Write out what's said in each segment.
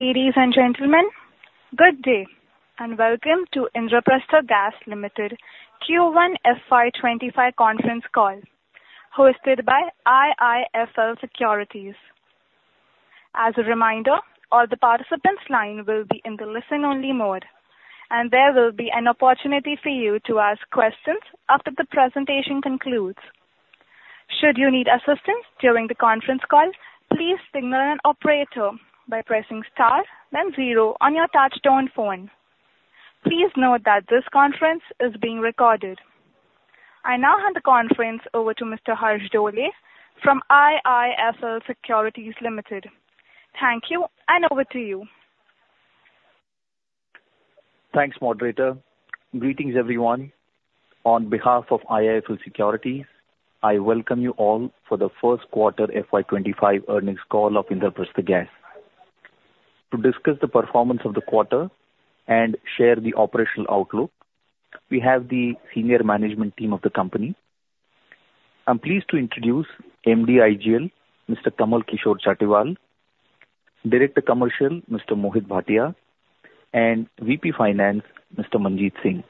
Ladies and gentlemen, good day, and welcome to Indraprastha Gas Limited Q1 FY 2025 Conference Call, hosted by IIFL Securities. As a reminder, all the participants line will be in the listen-only mode, and there will be an opportunity for you to ask questions after the presentation concludes. Should you need assistance during the conference call, please signal an operator by pressing star then zero on your touchtone phone. Please note that this conference is being recorded. I now hand the conference over to Mr. Harsh Dole from IIFL Securities Limited. Thank you, and over to you. Thanks, moderator. Greetings, everyone. On behalf of IIFL Securities, I welcome you all for the first quarter FY 2025 earnings call of Indraprastha Gas. To discuss the performance of the quarter and share the operational outlook, we have the senior management team of the company. I'm pleased to introduce MD IGL, Mr. Kamal Kishore Chatiwal, Director Commercial, Mr. Mohit Bhatia, and VP Finance, Mr. Manjeet Singh.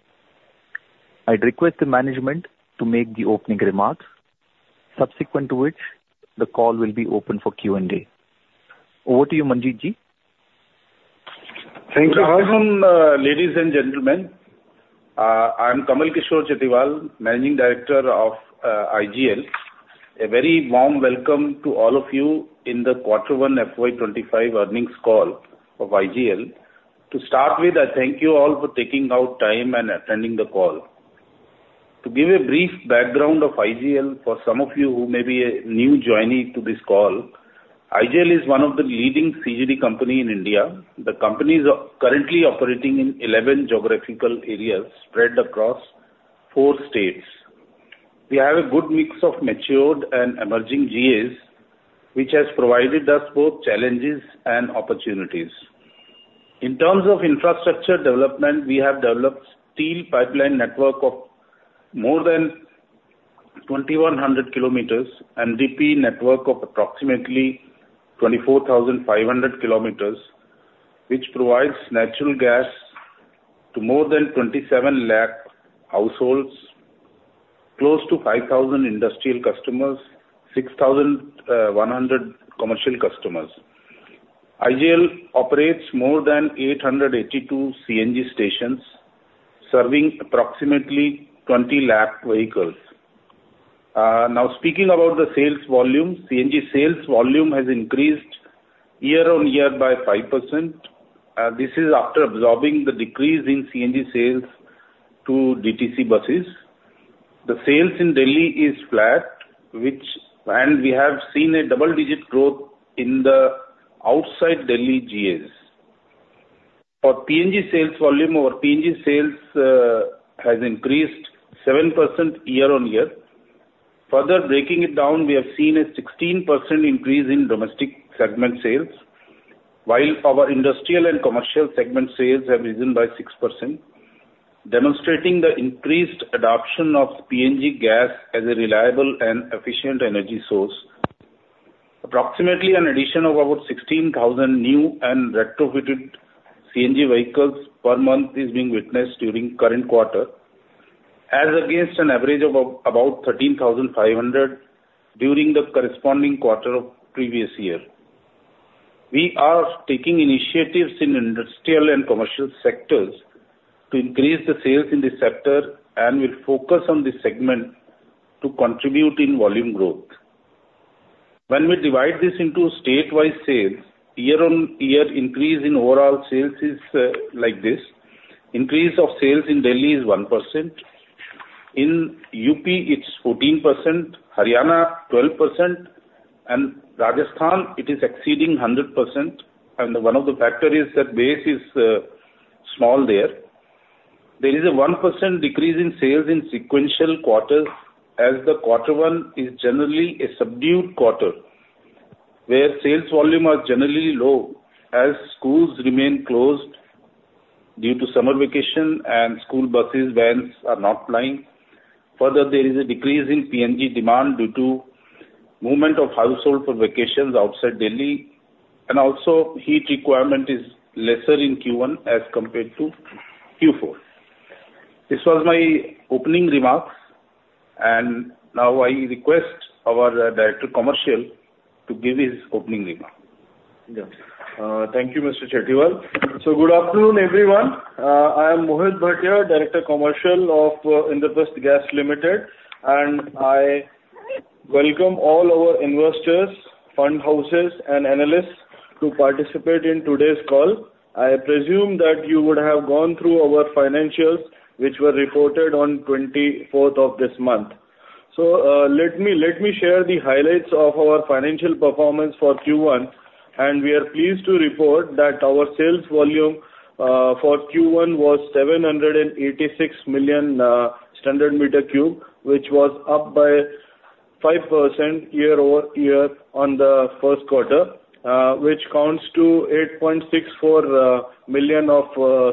I'd request the management to make the opening remarks, subsequent to which, the call will be open for Q&A. Over to you, Manjeet Ji. Good afternoon, ladies and gentlemen. I'm Kamal Kishore Chatiwal, Managing Director of IGL. A very warm welcome to all of you in the quarter 1 FY 2025 earnings call of IGL. To start with, I thank you all for taking out time and attending the call. To give a brief background of IGL, for some of you who may be a new joinee to this call, IGL is one of the leading CGD company in India. The company is currently operating in 11 geographical areas, spread across four states. We have a good mix of matured and emerging GAs, which has provided us both challenges and opportunities. In terms of infrastructure development, we have developed steel pipeline network of more than 2,100 km and DP network of approximately 24,500 km, which provides natural gas to more than 27 lakh households, close to 5,000 industrial customers, 6,100 commercial customers. IGL operates more than 882 CNG stations, serving approximately 20 lakh vehicles. Now, speaking about the sales volume, CNG sales volume has increased year-on-year by 5%, this is after absorbing the decrease in CNG sales to DTC buses. The sales in Delhi is flat, which... We have seen a double-digit growth in the outside Delhi GAs. For PNG sales volume, our PNG sales has increased 7% year-on-year. Further, breaking it down, we have seen a 16% increase in domestic segment sales, while our industrial and commercial segment sales have risen by 6%, demonstrating the increased adoption of PNG gas as a reliable and efficient energy source. Approximately an addition of about 16,000 new and retrofitted CNG vehicles per month is being witnessed during current quarter, as against an average of about 13,500 during the corresponding quarter of previous year. We are taking initiatives in industrial and commercial sectors to increase the sales in the sector, and we'll focus on this segment to contribute in volume growth. When we divide this into statewide sales, year-on-year increase in overall sales is like this: increase of sales in Delhi is 1%, in UP it's 14%, Haryana 12%, and Rajasthan it is exceeding 100%, and one of the factor is that base is small there. There is a 1% decrease in sales in sequential quarters, as the quarter one is generally a subdued quarter, where sales volume are generally low, as schools remain closed due to summer vacation and school buses, vans are not plying. Further, there is a decrease in PNG demand due to movement of household for vacations outside Delhi, and also heat requirement is lesser in Q1 as compared to Q4. This was my opening remarks, and now I request our Director Commercial to give his opening remark. Yeah. Thank you, Mr. Chatiwal. Good afternoon, everyone. I am Mohit Bhatia, Director Commercial of Indraprastha Gas Limited, and I welcome all our investors, fund houses, and analysts to participate in today's call. I presume that you would have gone through our financials, which were reported on 24th of this month. Let me share the highlights of our financial performance for Q1, and we are pleased to report that our sales volume for Q1 was 786 million Sm³, which was up by 5% year-over-year on the first quarter, which counts to 8.64 million of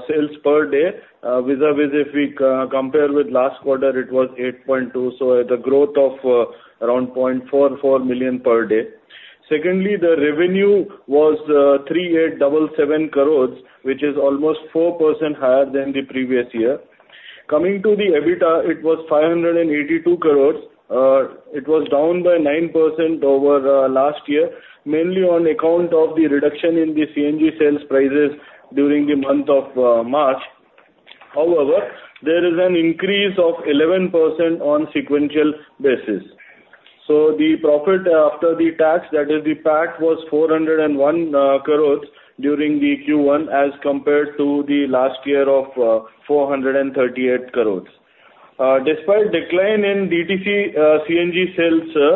sales per day. Vis-a-vis if we compare with last quarter, it was 8.2, so the growth of around 0.44 million per day. Secondly, the revenue was 3,877 crores, which is almost 4% higher than the previous year. Coming to the EBITDA, it was 582 crores. It was down by 9% over last year, mainly on account of the reduction in the CNG sales prices during the month of March. However, there is an increase of 11% on sequential basis. So the profit after the tax, that is the PAT, was 401 crores during the Q1 as compared to the last year of 438 crores. Despite decline in DTC CNG sales, sir,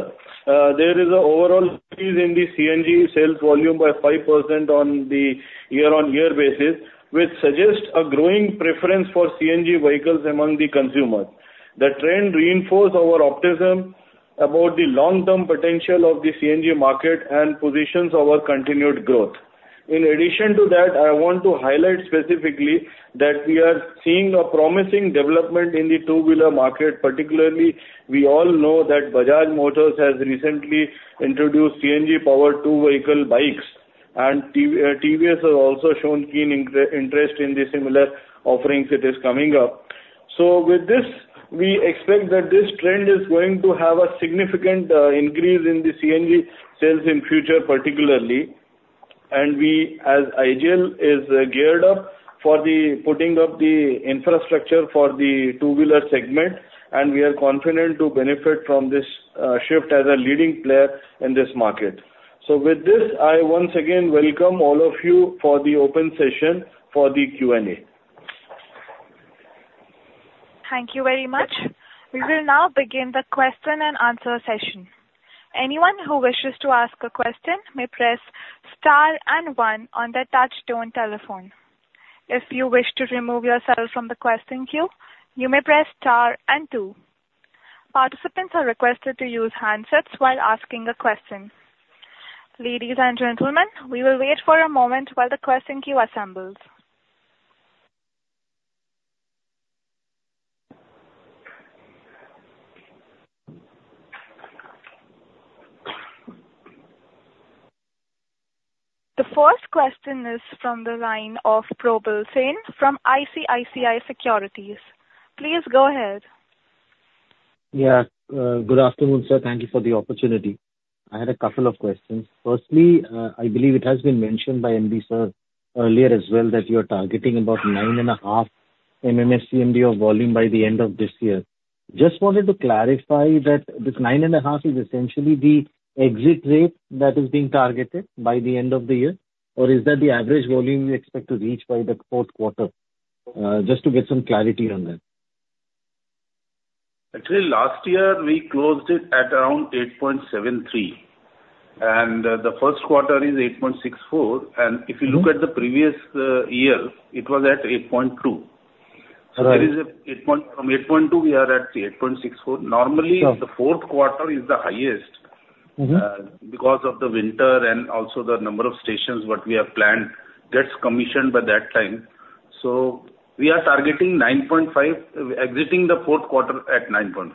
there is a overall increase in the CNG sales volume by 5% on the year-on-year basis, which suggests a growing preference for CNG vehicles among the consumers. The trend reinforce our optimism about the long-term potential of the CNG market and positions our continued growth. In addition to that, I want to highlight specifically that we are seeing a promising development in the two-wheeler market. Particularly, we all know that Bajaj Motors has recently introduced CNG-powered two-vehicle bikes, and TVS has also shown keen interest in the similar offerings it is coming up. So with this, we expect that this trend is going to have a significant increase in the CNG sales in future, particularly. And we, as IGL, is geared up for the putting up the infrastructure for the two-wheeler segment, and we are confident to benefit from this shift as a leading player in this market. So with this, I once again welcome all of you for the open session for the Q&A. Thank you very much. We will now begin the question and answer session. Anyone who wishes to ask a question may press star and one on their touchtone telephone. If you wish to remove yourself from the question queue, you may press star and two. Participants are requested to use handsets while asking a question. Ladies and gentlemen, we will wait for a moment while the question queue assembles. The first question is from the line of Probal Sen from ICICI Securities. Please go ahead. Yeah, good afternoon, sir. Thank you for the opportunity. I had a couple of questions. Firstly, I believe it has been mentioned by MB sir earlier as well, that you are targeting about 9.5 MMSCMD of volume by the end of this year. Just wanted to clarify that this 9.5 is essentially the exit rate that is being targeted by the end of the year, or is that the average volume you expect to reach by the fourth quarter? Just to get some clarity on that. Actually, last year, we closed it at around 8.73, and the first quarter is 8.64. If you look at the previous year, it was at 8.2. Right. There is an 8 point... From 8.2, we are at 8.64. Sure. Normally, the fourth quarter is the highest- because of the winter and also the number of stations what we have planned gets commissioned by that time. So we are targeting 9.5, exiting the fourth quarter at 9.5.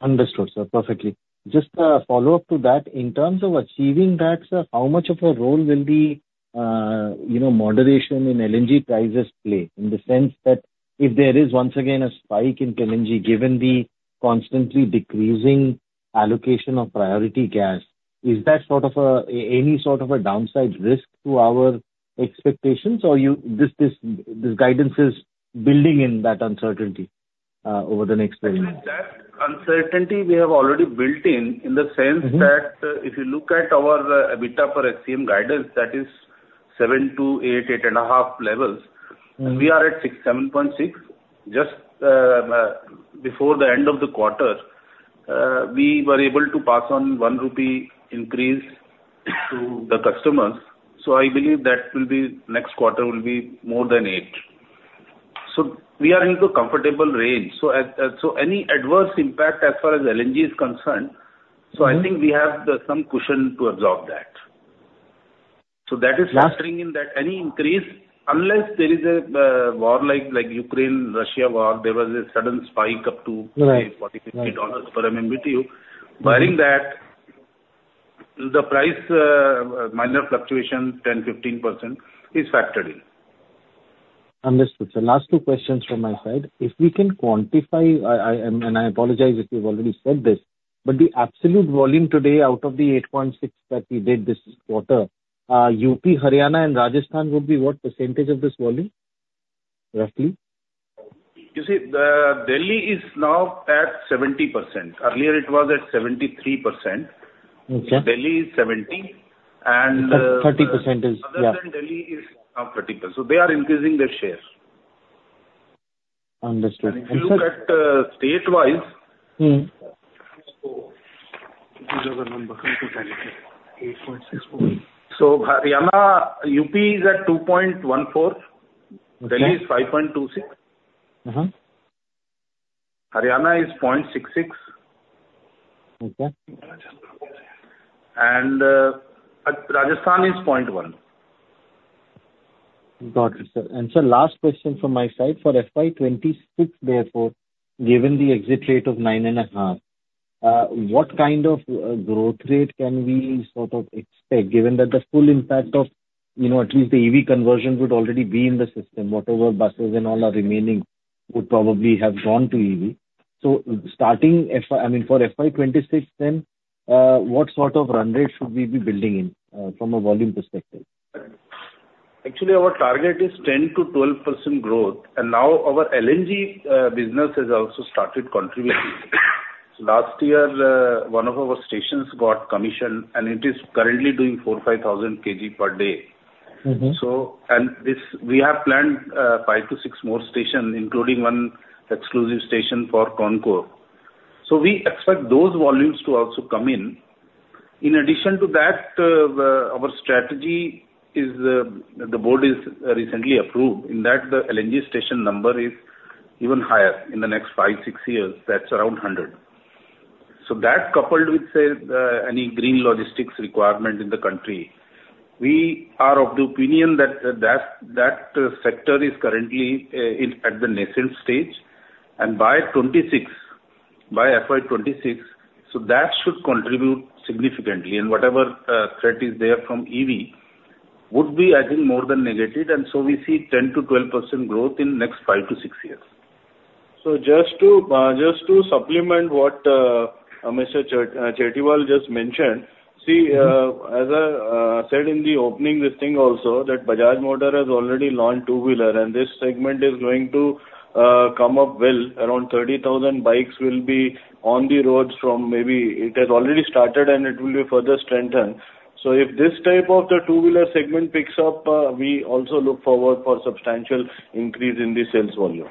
Understood, sir. Perfectly. Just a follow-up to that, in terms of achieving that, sir, how much of a role will the, you know, moderation in LNG prices play? In the sense that if there is once again a spike in LNG, given the constantly decreasing allocation of priority gas, is that sort of any sort of a downside risk to our expectations, or is this guidance building in that uncertainty over the next quarter? Actually, that uncertainty we have already built in, in the sense- that, if you look at our EBITDA for SCM guidance, that is 7-8, 8.5 levels. We are at 6.76. Just, before the end of the quarter, we were about able to pass on 1 rupee increase to the customers. So I believe that will be, next quarter will be more than 8. So we are into a comfortable range. So any adverse impact as far as LNG is concerned- So I think we have some cushion to absorb that. That is factoring- Yeah In that any increase, unless there is a war like Ukraine-Russia war, there was a sudden spike up to- Right $40-$50 per MMBTu. Barring that, the price, minor fluctuation 10%-15% is factored in. Understood, sir. Last two questions from my side. If we can quantify, and I apologize if you've already said this, but the absolute volume today, out of the 8.6 that we did this quarter, UP, Haryana and Rajasthan would be what percentage of this volume, roughly? You see, the Delhi is now at 70%. Earlier, it was at 73%. Okay. Delhi is 70, and, 30% is, yeah. Other than Delhi is now 30%, so they are increasing their share. Understood. If you look at state-wise, Haryana, UP is at 2.14. Okay. Delhi is 5.26. Haryana is 0.66. Okay. Rajasthan is 0.1. Got it, sir. And sir, last question from my side, for FY 2026, therefore, given the exit rate of 9.5, what kind of growth rate can we sort of expect, given that the full impact of, you know, at least the EV conversion would already be in the system, whatever buses and all are remaining, would probably have gone to EV? So starting, I mean, for FY 2026 then, what sort of run rate should we be building in, from a volume perspective? Actually, our target is 10%-12% growth, and now our LNG business has also started contributing. So last year, one of our stations got commissioned, and it is currently doing 4,000, 5,000 kg per day. So, and this, we have planned 5-6 more stations, including one exclusive station for CONCOR. So we expect those volumes to also come in. In addition to that, our strategy is, the board is recently approved, in that the LNG station number is even higher in the next 5, 6 years. That's around 100. So that, coupled with, say, any green logistics requirement in the country, we are of the opinion that that, that sector is currently in at the nascent stage, and by 2026, by FY 2026, so that should contribute significantly. And whatever threat is there from EV would be, I think, more than negative, and so we see 10%-12% growth in next 5-6 years. So just to just to supplement what Mr. Chatiwal just mentioned, see, as I said in the opening this thing also, that Bajaj Motors has already launched two-wheeler, and this segment is going to come up well. Around 30,000 bikes will be on the roads from maybe, it has already started, and it will be further strengthened. So if this type of the two-wheeler segment picks up, we also look forward for substantial increase in the sales volume.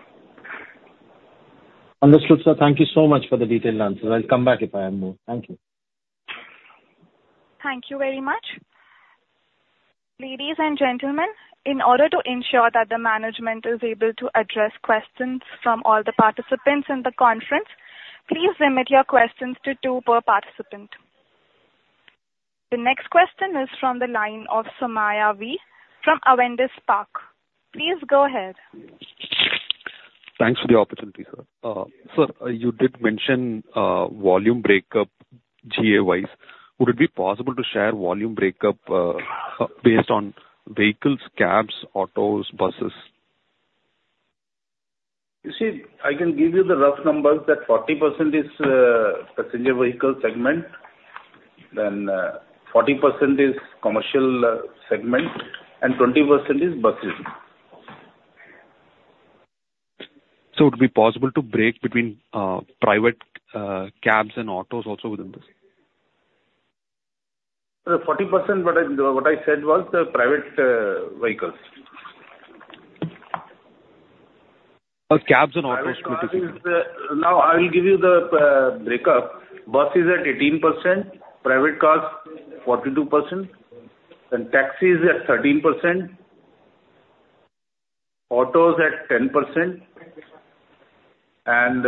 Understood, sir. Thank you so much for the detailed answer. I'll come back if I have more. Thank you. Thank you very much. Ladies and gentlemen, in order to ensure that the management is able to address questions from all the participants in the conference, please limit your questions to two per participant. The next question is from the line of Somaiah V. from Avendus Spark. Please go ahead. Thanks for the opportunity, sir. Sir, you did mention volume breakup GA-wise. Would it be possible to share volume breakup based on vehicles, cabs, autos, buses? You see, I can give you the rough numbers, that 40% is passenger vehicle segment, then 40% is commercial segment, and 20% is buses. Would it be possible to break between private cabs and autos also within this? 40%, what I, what I said was the private vehicles. Cabs and autos- Now, I'll give you the, breakup. Bus is at 18%, private cars 42%, and taxis at 13%, autos at 10%, and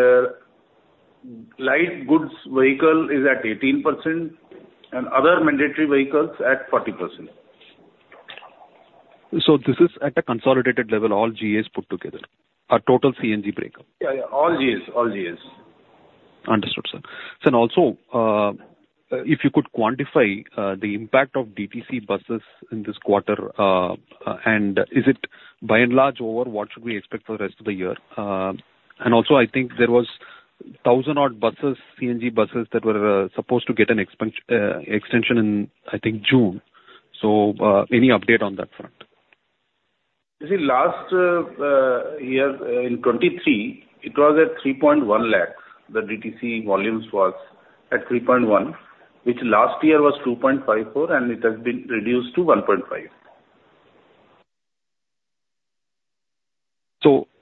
light goods vehicle is at 18%, and other mandatory vehicles at 40%. So this is at a consolidated level, all GAs put together? A total CNG breakup. Yeah, yeah, all GAs, all GAs. Understood, sir. So then also, if you could quantify the impact of DTC buses in this quarter, and is it by and large over, what should we expect for the rest of the year? And also, I think there was 1,000 odd buses, CNG buses, that were supposed to get an extension in, I think, June. So, any update on that front? You see, last year, in 2023, it was at 3.1 lakhs. The DTC volumes was at 3.1, which last year was 2.54, and it has been reduced to 1.5.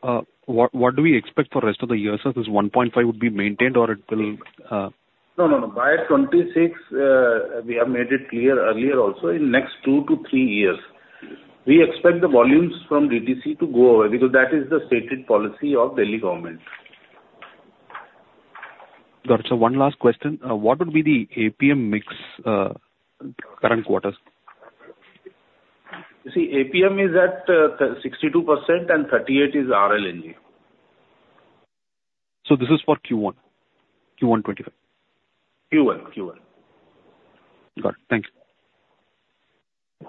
What, what do we expect for rest of the year, sir? This 1.5 would be maintained or it will, No, no, no. By 2026, we have made it clear earlier also, in next 2-3 years, we expect the volumes from DTC to go away, because that is the stated policy of Delhi government. Got you. So one last question. What would be the APM mix, current quarters? You see, APM is at 62%, and 38 is RLNG. This is for Q1, Q1 2025? Q1, Q1. Got it. Thank you.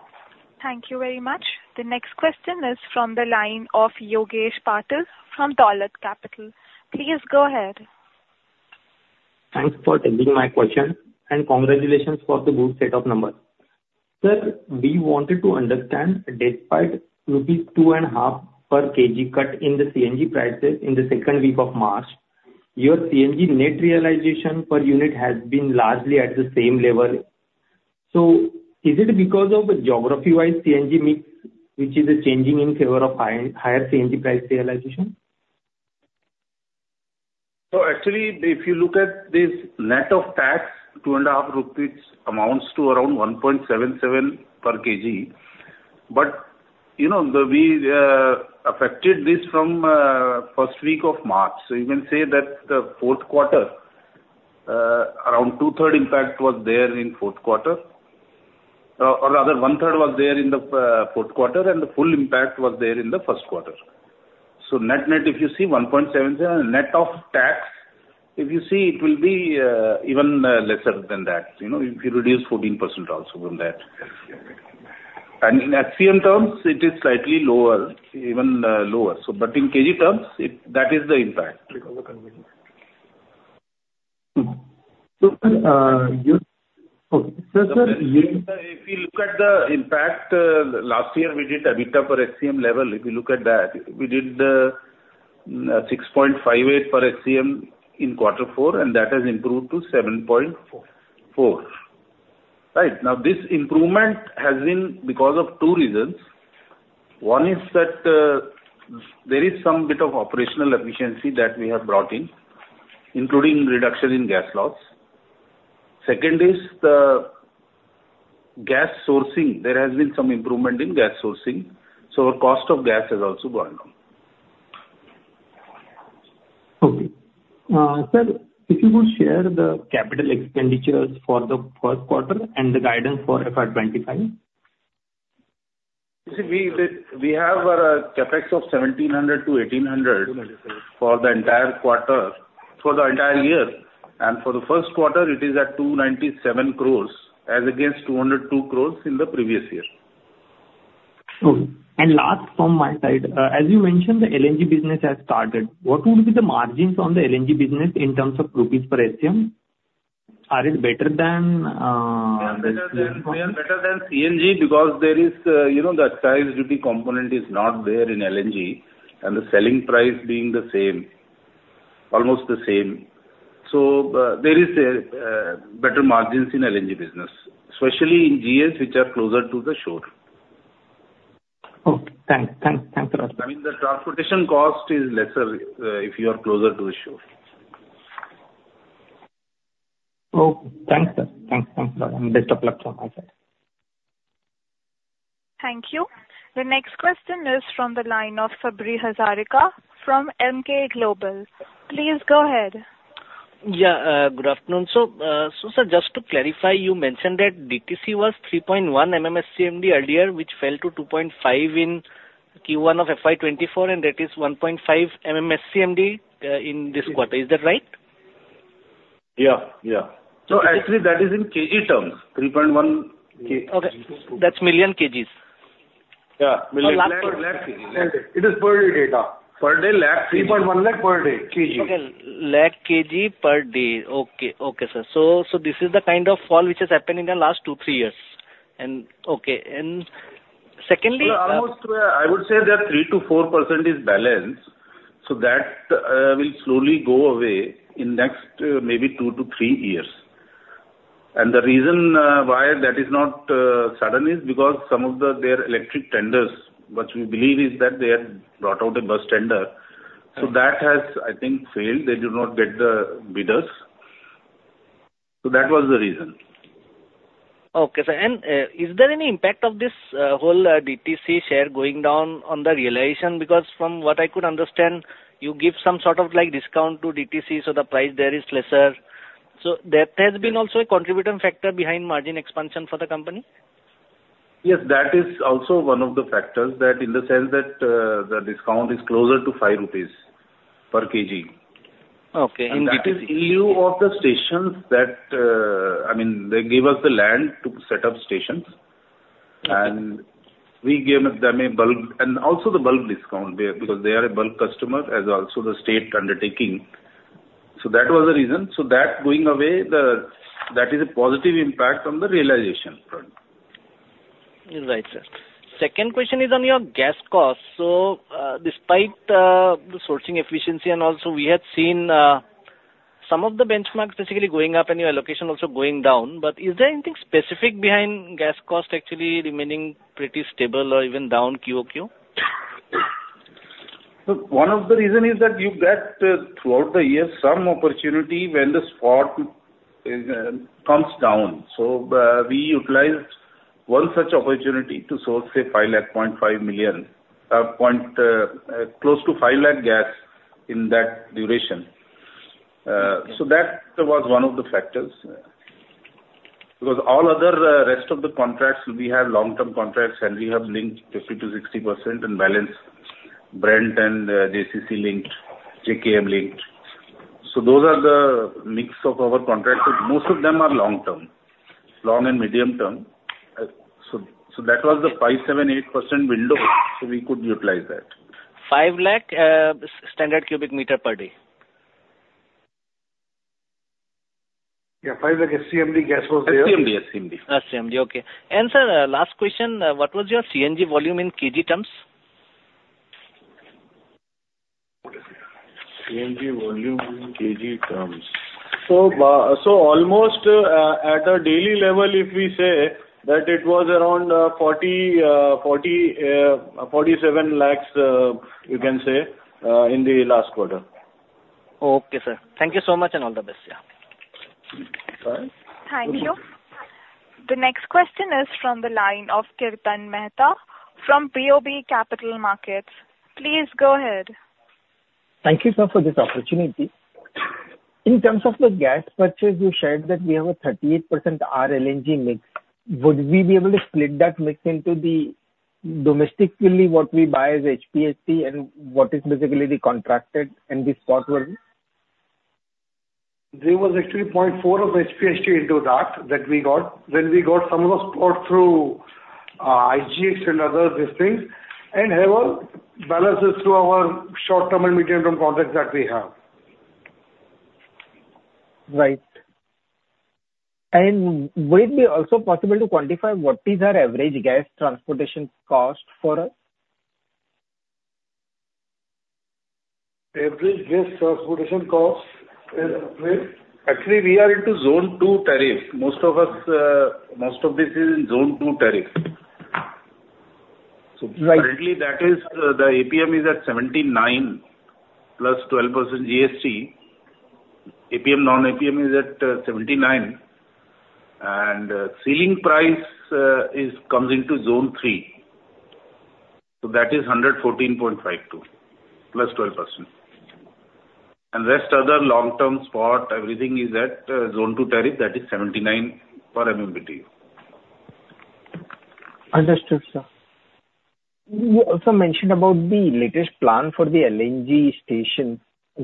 Thank you very much. The next question is from the line of Yogesh Patil from Dolat Capital. Please go ahead. Thanks for taking my question, and congratulations for the good set of numbers. Sir, we wanted to understand, despite rupees 2.5 per kg cut in the CNG prices in the second week of March, your CNG net realization per unit has been largely at the same level. So is it because of the geography-wise CNG mix, which is changing in favor of high, higher CNG price realization? So actually, if you look at this net of tax, 2.5 rupees amounts to around 1.77 per kg. But you know, we affected this from first week of March. So you can say that the fourth quarter, around 2/3 impact was there in fourth quarter. Or rather 1/3 was there in the fourth quarter, and the full impact was there in the first quarter. So net-net, if you see 1.7, net of tax, if you see, it will be even lesser than that, you know, if you reduce 14% also from that. And in SCM terms, it is slightly lower, even lower. So but in kg terms, it, that is the impact. So, sir, you- If you look at the impact, last year, we did EBITDA per SCM level. If you look at that, we did 6.58 per SCM in quarter four, and that has improved to 7. 4. 4. Right. Now, this improvement has been because of two reasons. One is that, there is some bit of operational efficiency that we have brought in, including reduction in gas loss. Second is the gas sourcing. There has been some improvement in gas sourcing, so our cost of gas has also gone down. Okay. Sir, if you could share the capital expenditures for the first quarter and the guidance for FY 2025? You see, we have a CapEx of 1,700 crores-1,800 crores for the entire quarter, for the entire year, and for the first quarter it is at 297 crores, as against 202 crores in the previous year. Last, from my side, as you mentioned, the LNG business has started. What would be the margins on the LNG business in terms of INR per SCM? Are it better than, They are better than, they are better than CNG because there is, you know, the excise duty component is not there in LNG, and the selling price being the same, almost the same. So, there is better margins in LNG business, especially in GAs, which are closer to the shore. Okay, thanks. Thanks for that. I mean, the transportation cost is lesser if you are closer to the shore. Okay, thanks, sir. Thanks, thanks a lot. Best of luck from my side. Thank you. The next question is from the line of Sabri Hazarika from Emkay Global. Please go ahead. Yeah, good afternoon. So, sir, just to clarify, you mentioned that DTC was 3.1 MMSCMD earlier, which fell to 2.5 in Q1 of FY 2024, and that is 1.5 MMSCMD in this quarter. Is that right? Yeah, yeah. So actually, that is in kg terms, 3.1 k- Okay, that's million kgs? Yeah. It is per day data. Per day, lakh, 3.1 lakh per day, kg. Okay, lakh kg per day. Okay. Okay, sir. So, so this is the kind of fall which has happened in the last two, three years. And, okay, and secondly- Well, almost, I would say that 3%-4% is balance, so that will slowly go away in next maybe 2-3 years. And the reason why that is not sudden is because some of the, there are electric tenders, what we believe is that they had brought out a bus tender. So that has, I think, failed. They do not get the bidders. So that was the reason. Okay, sir. Is there any impact of this whole DTC share going down on the realization? Because from what I could understand, you give some sort of, like, discount to DTC, so the price there is lesser. So that has been also a contributing factor behind margin expansion for the company? Yes, that is also one of the factors, that in the sense that, the discount is closer to 5 rupees per kg. Okay. And it is in lieu of the stations that, I mean, they give us the land to set up stations, and we give them a bulk, and also the bulk discount there, because they are a bulk customer as also the state undertaking. So that was the reason. So that going away, that is a positive impact on the realization. You're right, sir. Second question is on your gas cost. So, despite the sourcing efficiency and also we had seen some of the benchmarks basically going up and your allocation also going down, but is there anything specific behind gas cost actually remaining pretty stable or even down QoQ? One of the reason is that you get, throughout the year, some opportunity when the spot comes down. So, we utilized one such opportunity to source, say, 5 lakh, 0.5 million, point, close to 5 lakh gas in that duration. So that was one of the factors. Because all other, rest of the contracts, we have long-term contracts, and we have linked 50%-60% and balance, Brent and, JCC linked, JKM linked. So those are the mix of our contracts. Most of them are long-term, long and medium-term. So, so that was the 5, 7, 8% window, so we could utilize that. 500,000 standard cubic meters per day? Yeah, 500,000 SCMD gas was there. SCMD, SCMD. SCMD, okay. Sir, what was your CNG volume in kg terms? CNG volume in kg terms. So, almost, at a daily level, if we say that it was around 47 lakhs, you can say, in the last quarter. Okay, sir. Thank you so much, and all the best. Yeah. Thank you. The next question is from the line of Kirtan Mehta from BOB Capital Markets. Please go ahead. Thank you, sir, for this opportunity. In terms of the gas purchase, you shared that we have a 38% RLNG mix. Would we be able to split that mix into the domestically what we buy as HPHT, and what is basically the contracted and the spot one? There was actually 0.4 of HPHT into that, that we got. Then we got some of the spot through IGX and other districts, and have balances through our short-term and medium-term contracts that we have. Right. Would it be also possible to quantify what is our average gas transportation cost for us? Average gas transportation cost is, actually, we are into Zone 2 tariff. Most of us, most of this is in Zone 2 tariff. Right. Currently, that is, the APM is at 79 plus 12% GST. APM, non-APM is at, 79, and, ceiling price, is, comes into zone three, so that is 114.52, plus 12%. Rest other long-term spot, everything is at, zone two tariff, that is $79 per MMBtu. Understood, sir. You also mentioned about the latest plan for the LNG station.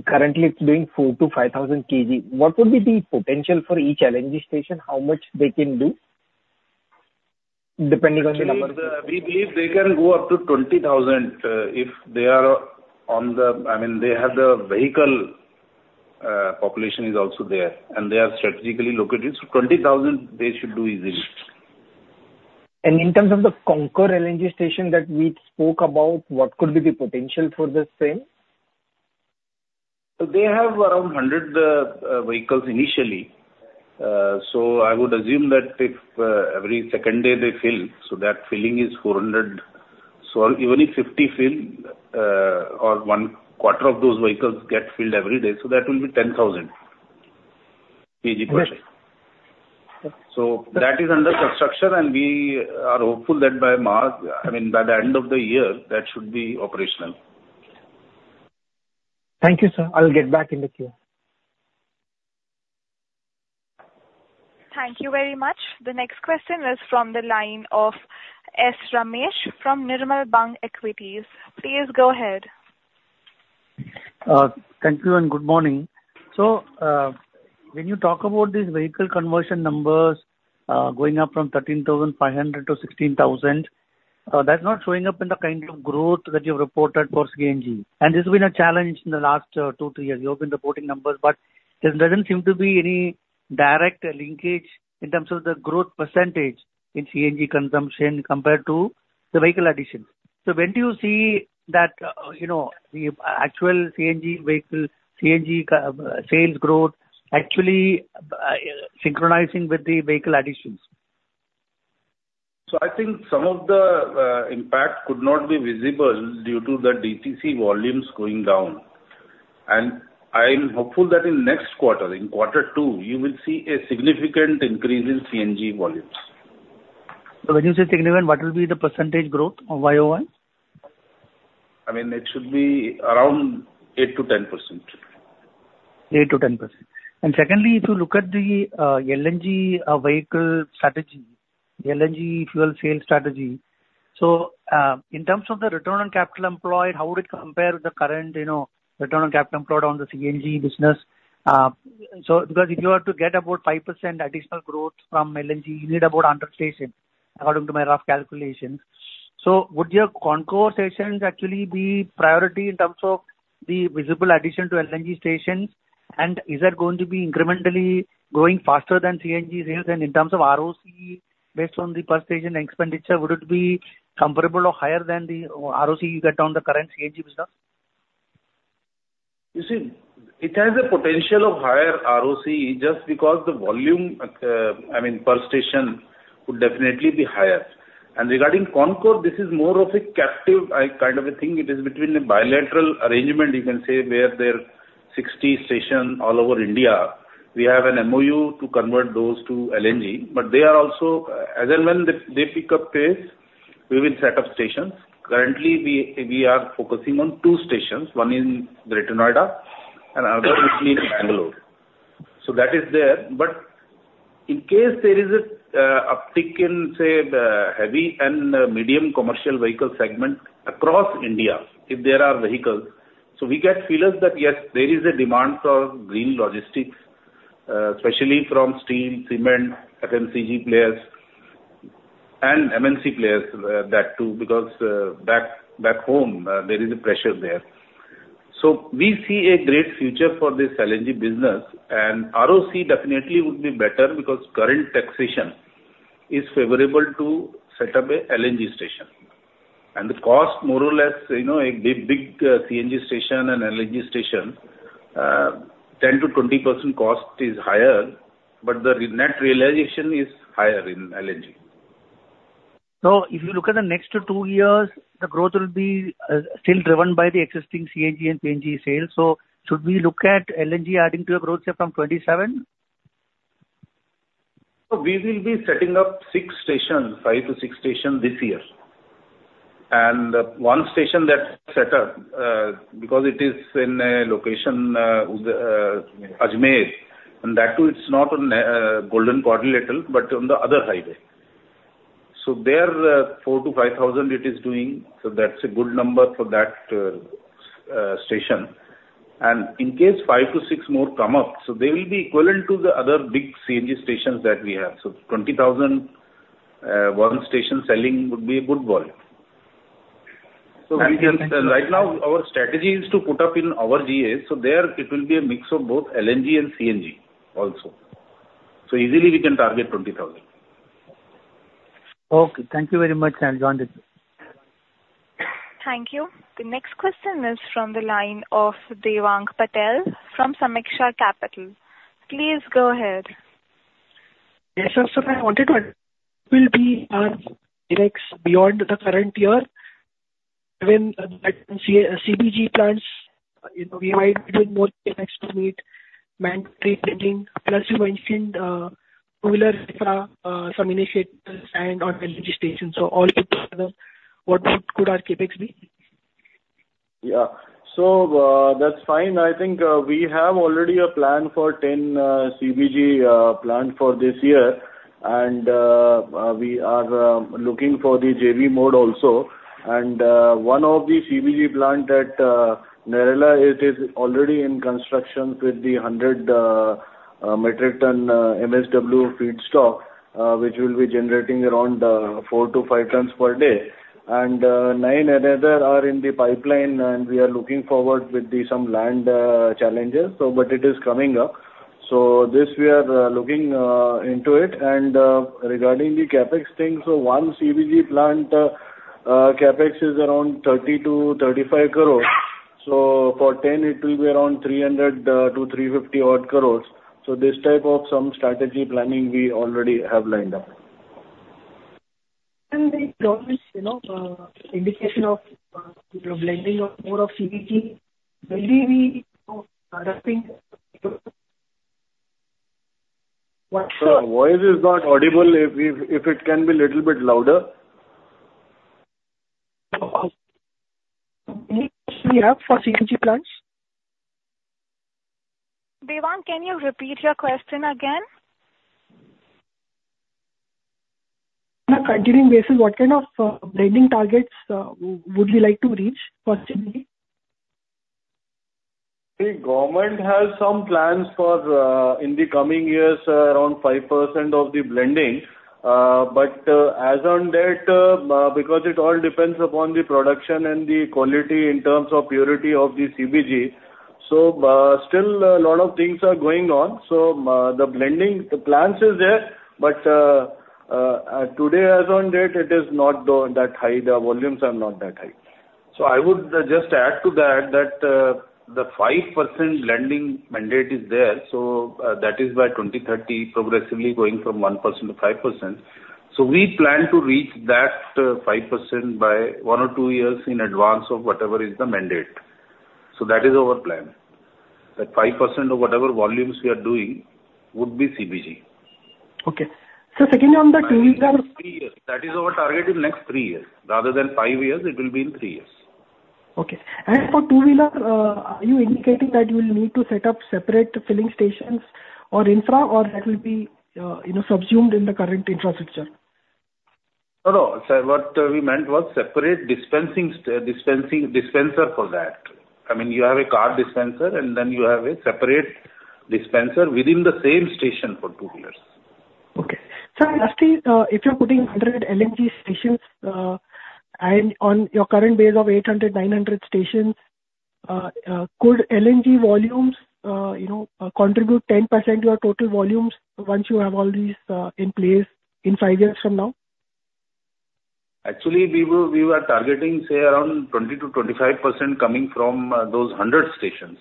Currently, it's doing 4,000-5,000 kg. What would be the potential for each LNG station? How much they can do, depending on the number- We believe, we believe they can go up to 20,000, if they are on the, I mean, they have the vehicle population is also there, and they are strategically located, so 20,000 they should do easily. In terms of the CONCOR LNG station that we spoke about, what could be the potential for the same? They have around 100 vehicles initially. So I would assume that if every second day they fill, so that filling is 400. So even if 50 fill, or 1/4 of those vehicles get filled every day, so that will be 10,000 kg per day. Right. That is under construction, and we are hopeful that by March, I mean, by the end of the year, that should be operational. Thank you, sir. I'll get back in the queue. Thank you very much. The next question is from the line of S. Ramesh from Nirmal Bang Equities. Please go ahead. Thank you, and good morning. So, when you talk about these vehicle conversion numbers, going up from 13,500 to 16,000, that's not showing up in the kind of growth that you've reported for CNG. And this has been a challenge in the last 2-3 years. You have been reporting numbers, but there doesn't seem to be any direct linkage in terms of the growth percentage in CNG consumption compared to the vehicle additions. So when do you see that, you know, the actual CNG vehicle, CNG, sales growth actually synchronizing with the vehicle additions? I think some of the impact could not be visible due to the DTC volumes going down. I'm hopeful that in next quarter, in quarter two, you will see a significant increase in CNG volumes. When you say significant, what will be the percentage growth of YoY? I mean, it should be around 8%-10%. 8%-10%. And secondly, if you look at the, LNG, vehicle strategy, LNG fuel sales strategy, so, in terms of the return on capital employed, how would it compare with the current, you know, return on capital employed on the CNG business? So because if you were to get about 5% additional growth from LNG, you need about 100 stations, according to my rough calculations. So would your CONCOR stations actually be priority in terms of the visible addition to LNG stations? And is that going to be incrementally growing faster than CNG sales? And in terms of ROCE, based on the per station expenditure, would it be comparable or higher than the ROCE you get on the current CNG business? You see, it has a potential of higher ROCE, just because the volume, I mean, per station, would definitely be higher. Regarding CONCOR, this is more of a captive, kind of a thing. It is between a bilateral arrangement, you can say, where there are 60 stations all over India. We have an MOU to convert those to LNG, but they are also... As and when they pick up pace, we will set up stations. Currently, we are focusing on two stations, one in Greater Noida and other in Bangalore. So that is there, but in case there is a uptick in, say, the heavy and medium commercial vehicle segment across India, if there are vehicles, so we get feelers that, yes, there is a demand for green logistics, especially from steel, cement, FMCG players and MNC players, that too, because, back, back home, there is a pressure there. So we see a great future for this LNG business, and ROCE definitely would be better because current taxation is favorable to set up a LNG station. And the cost, more or less, you know, a big, big, CNG station and LNG station, 10%-20% cost is higher, but the re- net realization is higher in LNG. So if you look at the next two years, the growth will be still driven by the existing CNG and PNG sales. So should we look at LNG adding to a growth say from 2027? So we will be setting up six stations, 5-6 stations this year. And one station that set up, because it is in a location with the Ajmer, and that too, it's not on Golden Quadrilateral, but on the other highway. So there, 4,000-5,000 it is doing, so that's a good number for that station. And in case 5-6 more come up, so they will be equivalent to the other big CNG stations that we have. So 20,000, one station selling would be a good volume. Thank you. So right now, our strategy is to put up in our GAs, so there it will be a mix of both LNG and CNG also. So easily, we can target 20,000. Okay, thank you very much, I'm done with. Thank you. The next question is from the line of Devang Patel from Sameeksha Capital. Please go ahead. Yes, sir. I wanted to ask, will be our CapEx beyond the current year when, CBG plants, you know, we might do more CapEx to meet mandatory blending. Plus, you mentioned, two-wheeler infra, some initiatives and on LNG stations. So all put together, what could our CapEx be? Yeah. So, that's fine. I think we have already a plan for 10 CBG plant for this year. And we are looking for the JV mode also. And one of the CBG plant at Narela, it is already in construction with the 100 metric ton MSW feedstock, which will be generating around 4-5 tons per day. And nine another are in the pipeline, and we are looking forward with the some land challenges, so but it is coming up. So this, we are looking into it. And regarding the CapEx thing, so one CBG plant CapEx is around 30-35 crores. So for 10, it will be around 300-350 odd crores. This type of some strategy planning we already have lined up. The promise, you know, indication of, you know, blending of more of CBG, will we be, you know, adopting? Sir, voice is not audible. If it can be little bit louder. We have for CNG plants? Devang, can you repeat your question again? On a continuing basis, what kind of blending targets would you like to reach for CBG? The government has some plans for in the coming years around 5% of the blending. But as on date because it all depends upon the production and the quality in terms of purity of the CBG, so still a lot of things are going on. So the blending, the plans is there, but today, as on date, it is not though that high, the volumes are not that high. So I would just add to that, that the 5% blending mandate is there, so that is by 2030, progressively going from 1%-5%. So we plan to reach that 5% by one or two years in advance of whatever is the mandate. So that is our plan, that 5% of whatever volumes we are doing would be CBG. Okay. So secondly, on the two-wheeler- Three years. That is our target in next three years. Rather than five years, it will be in three years. Okay. And for two-wheeler, are you indicating that you will need to set up separate filling stations or infra, or that will be, you know, subsumed in the current infrastructure? No, no. So what we meant was separate dispensing dispenser for that. I mean, you have a car dispenser, and then you have a separate dispenser within the same station for two-wheelers. Okay. Sir, lastly, if you're putting 100 LNG stations, and on your current base of 800, 900 stations, could LNG volumes, you know, contribute 10% to your total volumes once you have all these, in place in five years from now? Actually, we were targeting, say, around 20%-25% coming from those 100 stations,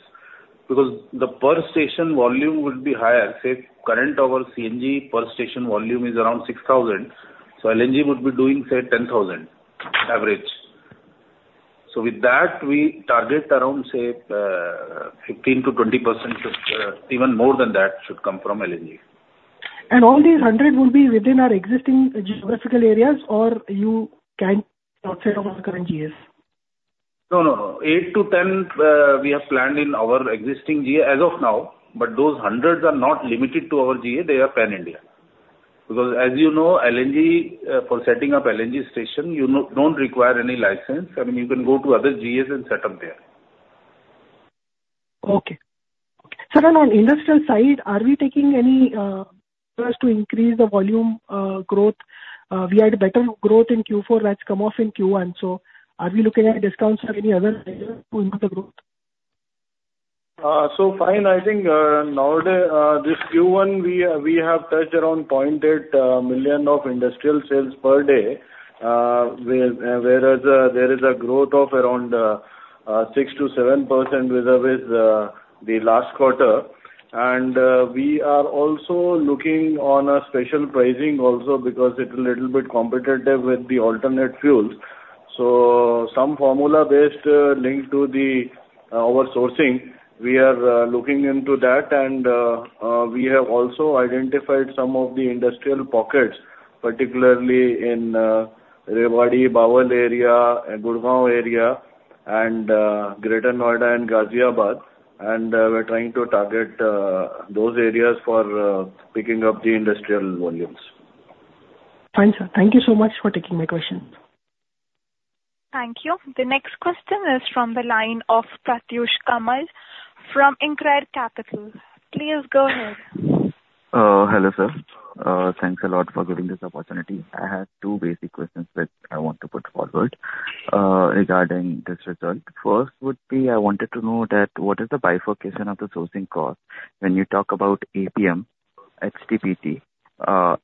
because the per station volume would be higher. Say, current our CNG per station volume is around 6,000, so LNG would be doing, say, 10,000 average. So with that, we target around, say, 15%-20% of even more than that should come from LNG. All these 100 will be within our existing geographical areas, or you can outside of our current GAs? No, no, no. 8-10, we have planned in our existing GA as of now, but those hundreds are not limited to our GA, they are pan-India. Because as you know, LNG for setting up LNG station, you don't require any license. I mean, you can go to other GAs and set up there. Okay. Sir, on, on industrial side, are we taking any measures to increase the volume growth? We had a better growth in Q4 that's come off in Q1, so are we looking at discounts or any other measure to improve the growth? So fine. I think, nowadays, this Q1, we, we have touched around 0.8 million of industrial sales per day. Whereas, there is a growth of around, six to seven percent vis-a-vis, the last quarter. And, we are also looking on a special pricing also because it's a little bit competitive with the alternate fuels. So some formula based, linked to the, our sourcing, we are looking into that, and, we have also identified some of the industrial pockets, particularly in, Rewari, Bawal area, and Gurugram area, and, Greater Noida, and Ghaziabad, and, we're trying to target, those areas for, picking up the industrial volumes. Fine, sir. Thank you so much for taking my question. Thank you. The next question is from the line of Pratyush Kamal from InCred Capital. Please go ahead. Hello, sir. Thanks a lot for giving this opportunity. I have two basic questions that I want to put forward, regarding this result. First would be, I wanted to know what is the bifurcation of the sourcing cost when you talk about APM, HPHT,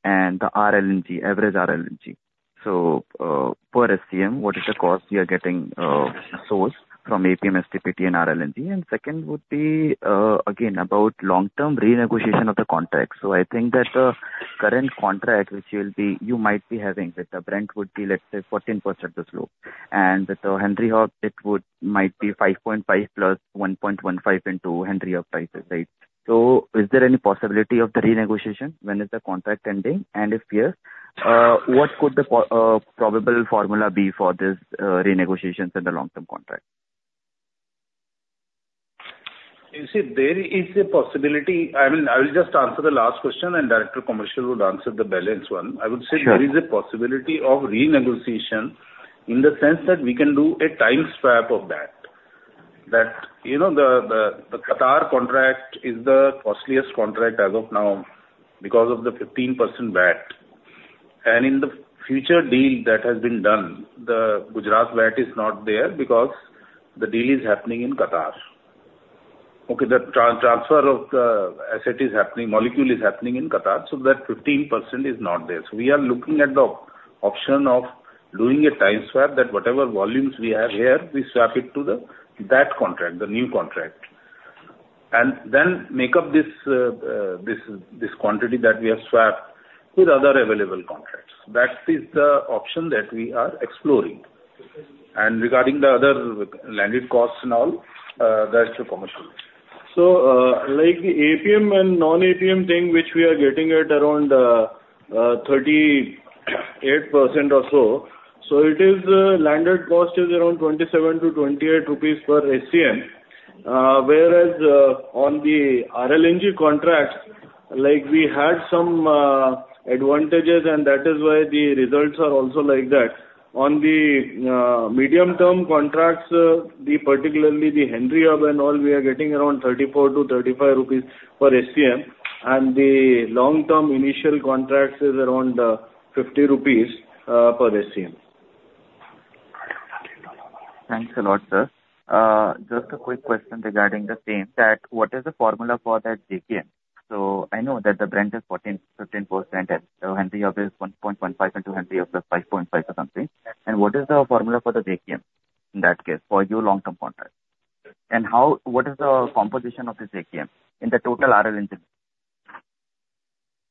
and the RLNG, average RLNG? So, per SCM, what is the cost we are getting sourced from APM, HPHT, and RLNG? And second would be, again, about long-term renegotiation of the contract. So I think that the current contract, which you'll be, you might be having, that the Brent would be, let's say, 14% the slope, and with the Henry Hub, it would, might be 5.5 plus 1.15 into Henry Hub prices, right? So is there any possibility of the renegotiation? When is the contract ending, and if yes, what could the probable formula be for this, renegotiations in the long-term contract? You see, there is a possibility, I will, I will just answer the last question, and Director Commercial would answer the balance one. Sure. I would say there is a possibility of renegotiation in the sense that we can do a time swap of that. That, you know, the Qatar contract is the costliest contract as of now because of the 15% VAT. And in the future deal that has been done, the Gujarat VAT is not there because the deal is happening in Qatar. Okay, the transfer of the asset is happening, molecule is happening in Qatar, so that 15% is not there. So we are looking at the option of doing a time swap, that whatever volumes we have here, we swap it to the, that contract, the new contract, and then make up this, this quantity that we have swapped with other available contracts. That is the option that we are exploring. And regarding the other landed costs and all, that's to commercial. So, like the APM and non-APM thing, which we are getting at around 38% or so, so it is landed cost is around 27-28 rupees per SCM. Whereas, on the RLNG contracts, like we had some advantages, and that is why the results are also like that. On the medium-term contracts, the particularly the Henry Hub and all, we are getting around 34-35 rupees per SCM, and the long-term initial contracts is around 50 rupees per SCM. Thanks a lot, sir. Just a quick question regarding the same, that what is the formula for that JKM? So I know that the Brent is 14%-15%, and the Henry Hub is 1.15, and 2 Henry Hub, 5.5 or something. And what is the formula for the JKM in that case, for your long-term contract? And how, what is the composition of this JKM in the total RLNG?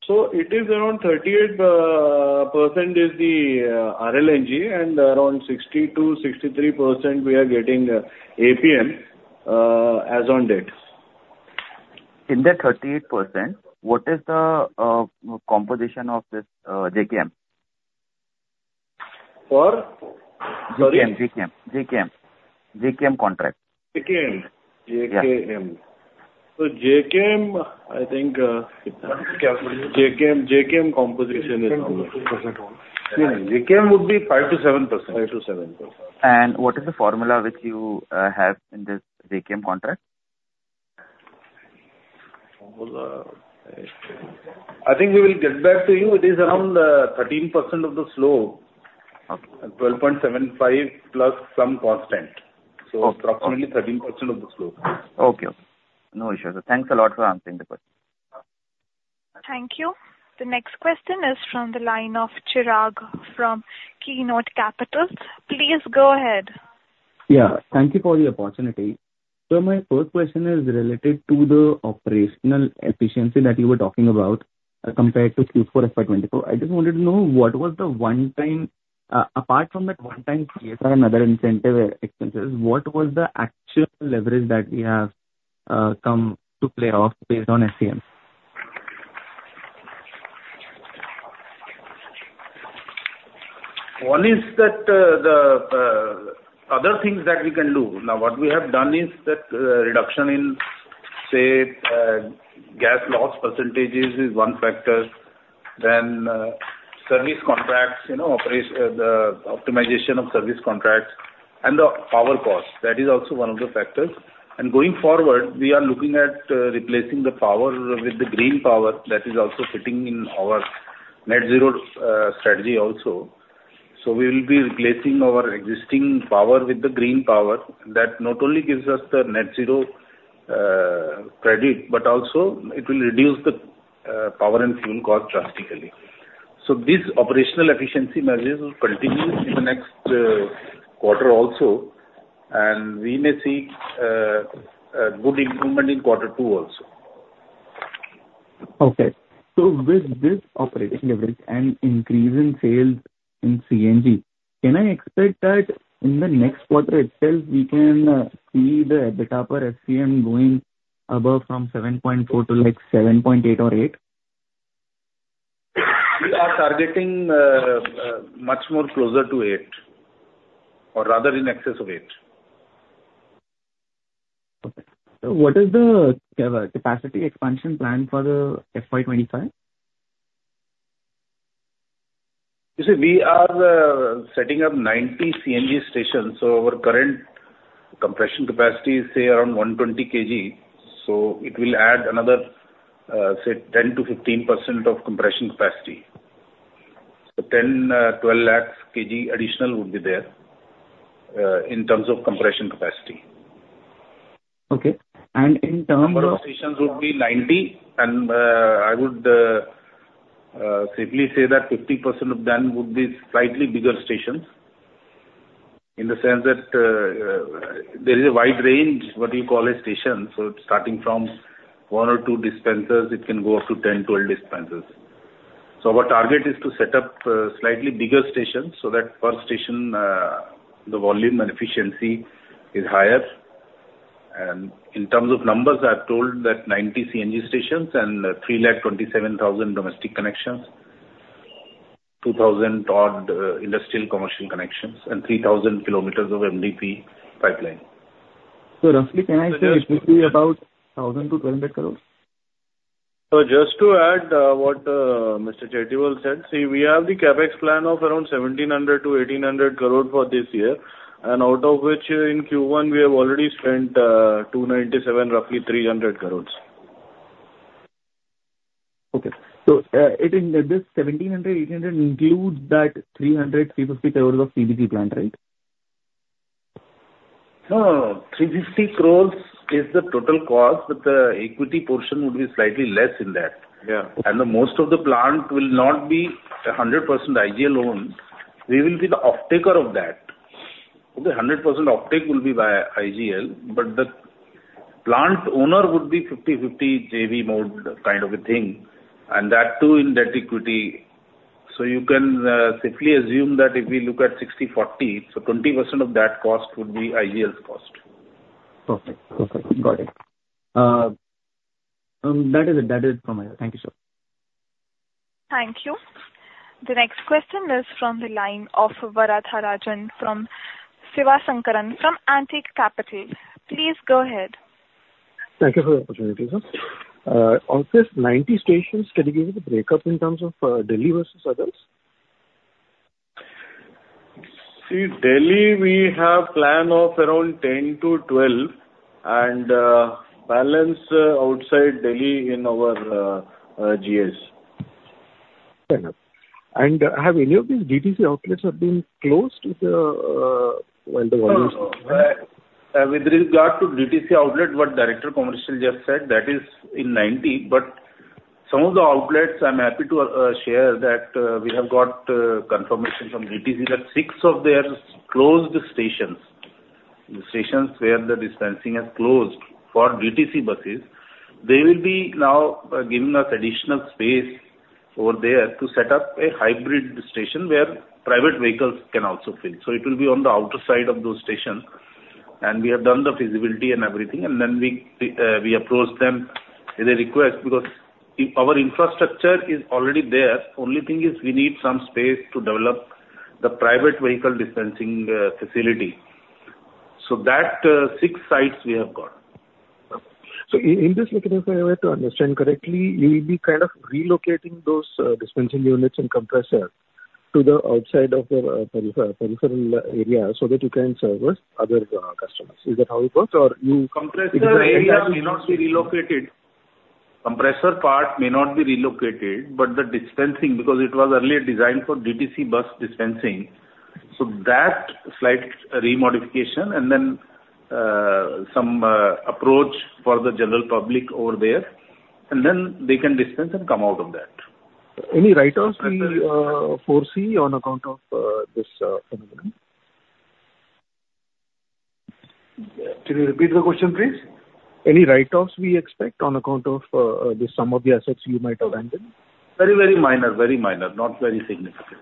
So it is around 38% is the RLNG, and around 60%-63% we are getting APM, as on date. In the 38%, what is the composition of this JKM? For? Sorry? JKM, JKM. JKM. JKM contract. JKM. JKM. Yeah. JKM, I think, JKM, JKM composition is JKM would be 5%-7%. 5%-7%. What is the formula which you have in this JKM contract? I think we will get back to you. It is around 13% of the slope. Okay. 12.75 plus some constant. Okay. Approximately 13% of the slope. Okay. No issues. Thanks a lot for answering the question. Thank you. The next question is from the line of Chirag from Keynote Capital. Please go ahead. Yeah, thank you for the opportunity. So my first question is related to the operational efficiency that you were talking about, compared to Q4, FY 2024. I just wanted to know what was the one-time, apart from that one-time and other incentive expenses, what was the actual leverage that you have come to play off based on SCM? One is that, the other things that we can do. Now, what we have done is that, reduction in, say, gas loss percentages is one factor, then, service contracts, you know, the optimization of service contracts and the power cost, that is also one of the factors. And going forward, we are looking at, replacing the power with the green power that is also fitting in our net zero, strategy also. So we will be replacing our existing power with the green power. That not only gives us the net zero, credit, but also it will reduce the, power and fuel cost drastically. So this operational efficiency measures will continue in the next, quarter also, and we may see, a good improvement in quarter two also. Okay, so with this operating leverage and increase in sales in CNG, can I expect that in the next quarter itself, we can see the EBITDA per SCM going above from 7.4 to, like, 7.8 or 8? We are targeting much more closer to 8, or rather in excess of 8. Okay. What is the capacity expansion plan for the FY 2025? You see, we are setting up 90 CNG stations, so our current compression capacity is, say, around 120 kg, so it will add another, say, 10%-15% of compression capacity. So 10, 12 lakh kg additional would be there, in terms of compression capacity. Okay, and in terms of- Number of stations would be 90, and I would safely say that 50% of them would be slightly bigger stations, in the sense that there is a wide range, what you call a station. So starting from one or two dispensers, it can go up to 10, 12 dispensers. So our target is to set up slightly bigger stations, so that per station the volume and efficiency is higher. And in terms of numbers, I've told that 90 CNG stations and 327,000 domestic connections, 2,000-odd industrial commercial connections, and 3,000 km of MDPE pipeline. So roughly, can I say it will be about 1,000 crores-1,200 crores? So just to add, what Mr. Chatiwal said, see, we have the CapEx plan of around 1,700 crores-1,800 crores for this year, and out of which, in Q1, we have already spent 297 crores, roughly 300 crores. Okay. So, in it, this 1,700 crores-1,800 crores includes that 300 crores, 350 crores of CBG plant, right? No, INR 350 crores is the total cost, but the equity portion would be slightly less in that. And the most of the plant will not be 100% IGL owned. We will be the offtaker of that. Okay, 100% offtake will be by IGL, but the plant owner would be 50/50 JV mode kind of a thing, and that too, in debt equity. So you can safely assume that if we look at 60/40, so 20% of that cost would be IGL's cost. Perfect. Perfect. Got it. That is it, that is it from my end. Thank you, sir. Thank you. The next question is from the line of Varatharajan Sivasankaran from Antique Capital. Please go ahead. Thank you for the opportunity, sir. On this 90 stations, can you give me the breakup in terms of Delhi versus others? See, Delhi, we have plan of around 10-12, and balance outside Delhi in our GAs. Fair enough. And have any of these DTC outlets have been closed with the, when the- With regard to DTC outlet, what Director Commercial just said, that is in 90, but some of the outlets, I'm happy to share that we have got confirmation from DTC that six of their closed stations, the stations where the dispensing has closed for DTC buses, they will be now giving us additional space over there to set up a hybrid station, where private vehicles can also fill. So it will be on the outer side of those stations, and we have done the feasibility and everything, and then we approach them with a request, because our infrastructure is already there. Only thing is, we need some space to develop the private vehicle dispensing facility. So that six sites we have got. So in this case, if I were to understand correctly, you'll be kind of relocating those dispensing units and compressors to the outside of the peripheral area so that you can service other customers. Is that how it works? Or you- Compressor area may not be relocated. Compressor part may not be relocated, but the dispensing, because it was earlier designed for DTC bus dispensing, so that slight remodification and then, some approach for the general public over there, and then they can dispense and come out of that. Any write-offs we foresee on account of this phenomenon? Can you repeat the question, please? Any write-offs we expect on account of the sum of the assets you might abandon? Very, very minor. Very minor, not very significant.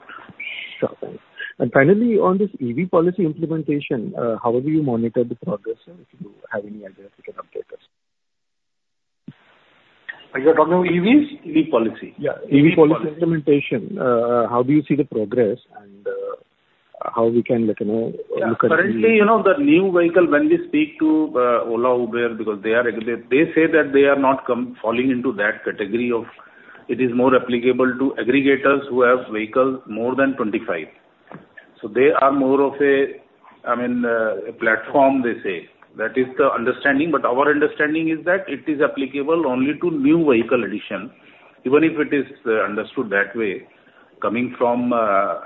Sure. And finally, on this EV policy implementation, how have you monitored the progress, and if you have any idea, you can update us? Are you talking about EVs, EV policy? Yeah, EV policy implementation. How do you see the progress, and how we can, like, you know, look at the- Currently, you know, the new vehicle, when we speak to Ola, Uber, because they are aggre- They say that they are not come falling into that category of. It is more applicable to aggregators who have vehicles more than 25. So they are more of a, I mean, a platform they say. That is the understanding, but our understanding is that it is applicable only to new vehicle addition, even if it is understood that way, coming from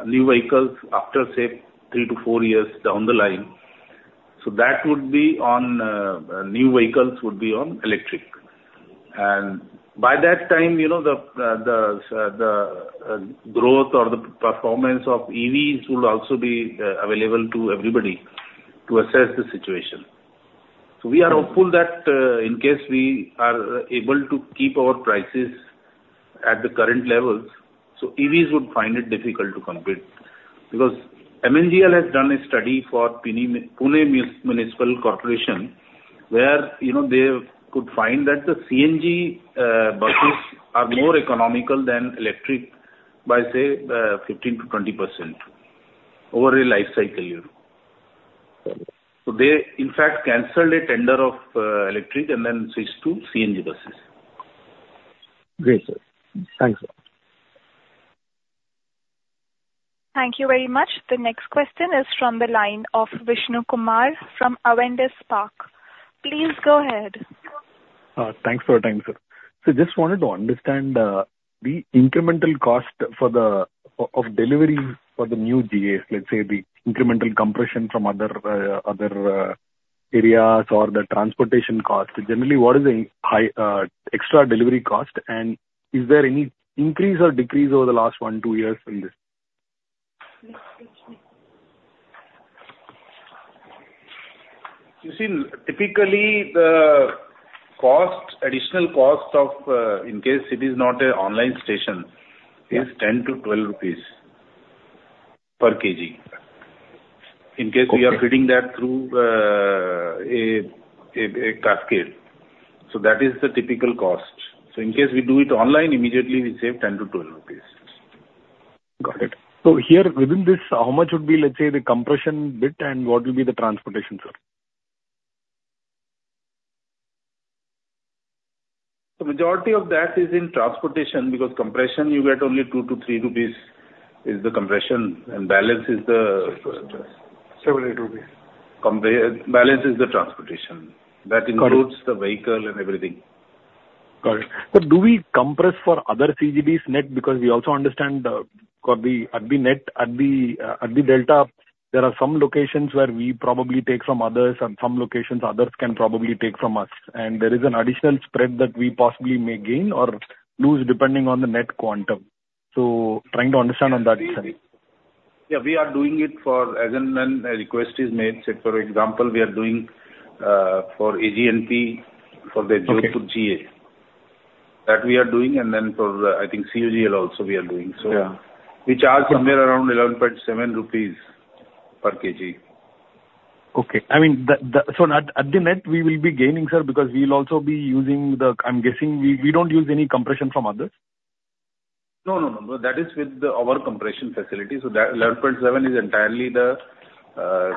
new vehicles after, say, 3-4 years down the line. So that would be on new vehicles would be on electric. And by that time, you know, the growth or the performance of EVs will also be available to everybody to assess the situation. So we are hopeful that, in case we are able to keep our prices at the current levels, so EVs would find it difficult to compete. Because MNGL has done a study for Pune Municipal Corporation, where, you know, they could find that the CNG buses are more economical than electric by, say, 15%-20% over a life cycle year. So they, in fact, canceled a tender of electric and then switched to CNG buses. Great, sir. Thanks. Thank you very much. The next question is from the line of Vishnu Kumar from Avendus Spark. Please go ahead. Thanks for your time, sir. So just wanted to understand, the incremental cost for the form of delivery for the new GAs, let's say, the incremental compression from other areas or the transportation cost. Generally, what is the high extra delivery cost? And is there any increase or decrease over the last one or two years in this? You see, typically the cost, additional cost of, in case it is not an online station, is 10-12 rupees per kg. Okay. In case we are feeding that through a cascade. So that is the typical cost. So in case we do it online, immediately we save 10-12 rupees. Got it. So here, within this, how much would be, let's say, the compression bit, and what will be the transportation, sir? The majority of that is in transportation, because compression you get only 2-3 rupees is the compression, and balance is the- 7-8 rupees. Compression balance is the transportation. Got it. That includes the vehicle and everything. Got it. Sir, do we compress for other CGBs net? Because we also understand, for the net, at the delta, there are some locations where we probably take from others, and some locations others can probably take from us. And there is an additional spread that we possibly may gain or lose, depending on the net quantum. So trying to understand on that side. Yeah, we are doing it as and when a request is made. Say, for example, we are doing for AG&P, for the- Okay GA. That we are doing, and then for, I think, CUGL also we are doing. Yeah. We charge somewhere around 11.7 rupees per kg. Okay. I mean, so at the net, we will be gaining, sir, because we'll also be using the... I'm guessing we don't use any compression from others? No, no, no, no. That is with our compression facility. So that 11.7 is entirely the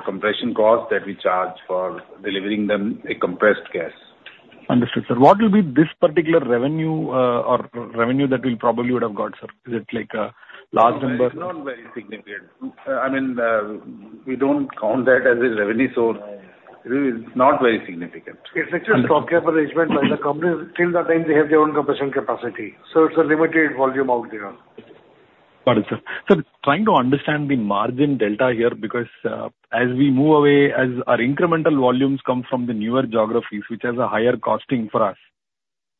compression cost that we charge for delivering them a compressed gas. Understood, sir. What will be this particular revenue, or revenue that we probably would have got, sir? Is it like a large number? It's not very significant. I mean, we don't count that as a revenue source. It's not very significant. It's actually a stopgap arrangement by the company. Till that time, they have their own compression capacity, so it's a limited volume out there. Got it, sir. Sir, trying to understand the margin delta here, because as we move away, as our incremental volumes come from the newer geographies, which has a higher costing for us.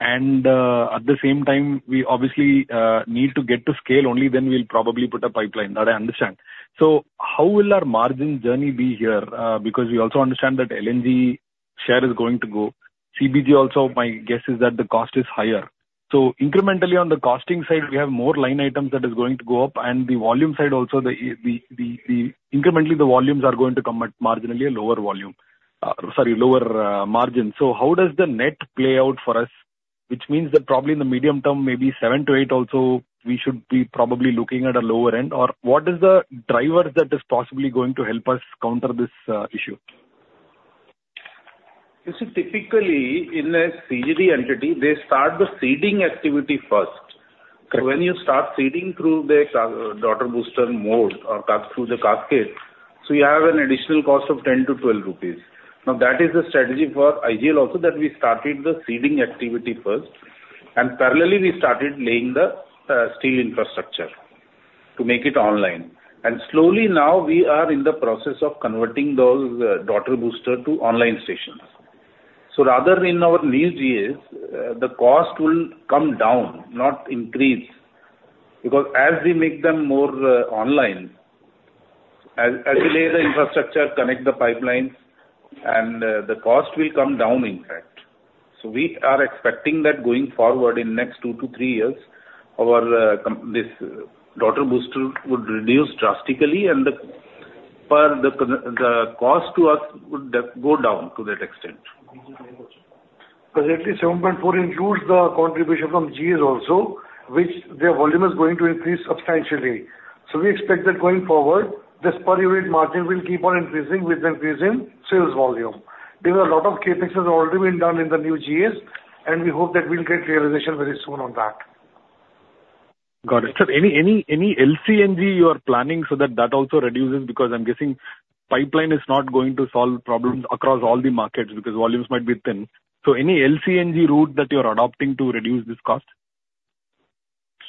And at the same time, we obviously need to get to scale, only then we'll probably put a pipeline. That I understand. So how will our margin journey be here? Because we also understand that LNG share is going to go. CBG also, my guess is that the cost is higher. So incrementally on the costing side, we have more line items that is going to go up, and the volume side also, incrementally, the volumes are going to come at marginally lower volume. Sorry, lower margin. So how does the net play out for us? Which means that probably in the medium term, maybe 7-8 also, we should be probably looking at a lower end. Or what is the driver that is possibly going to help us counter this, issue? You see, typically in a CGD entity, they start the seeding activity first. Correct. When you start seeding through the daughter booster mode or through the cascade, so you have an additional cost of 10-12 rupees. Now, that is the strategy for IGL also, that we started the seeding activity first, and parallelly, we started laying the steel infrastructure to make it online. And slowly now we are in the process of converting those daughter booster to online stations. So rather in our new GAs, the cost will come down, not increase. Because as we make them more online, as we lay the infrastructure, connect the pipelines, and the cost will come down, in fact. So we are expecting that going forward in next 2-3 years, our this daughter booster would reduce drastically and the cost to us would go down to that extent. Currently, 7.4 includes the contribution from GAs also, which their volume is going to increase substantially. So we expect that going forward, this per unit margin will keep on increasing with increase in sales volume. There were a lot of CapEx already been done in the new GAs, and we hope that we'll get realization very soon on that. Got it. Sir, any LCNG you are planning so that also reduces? Because I'm guessing pipeline is not going to solve problems across all the markets, because volumes might be thin. So any LCNG route that you are adopting to reduce this cost?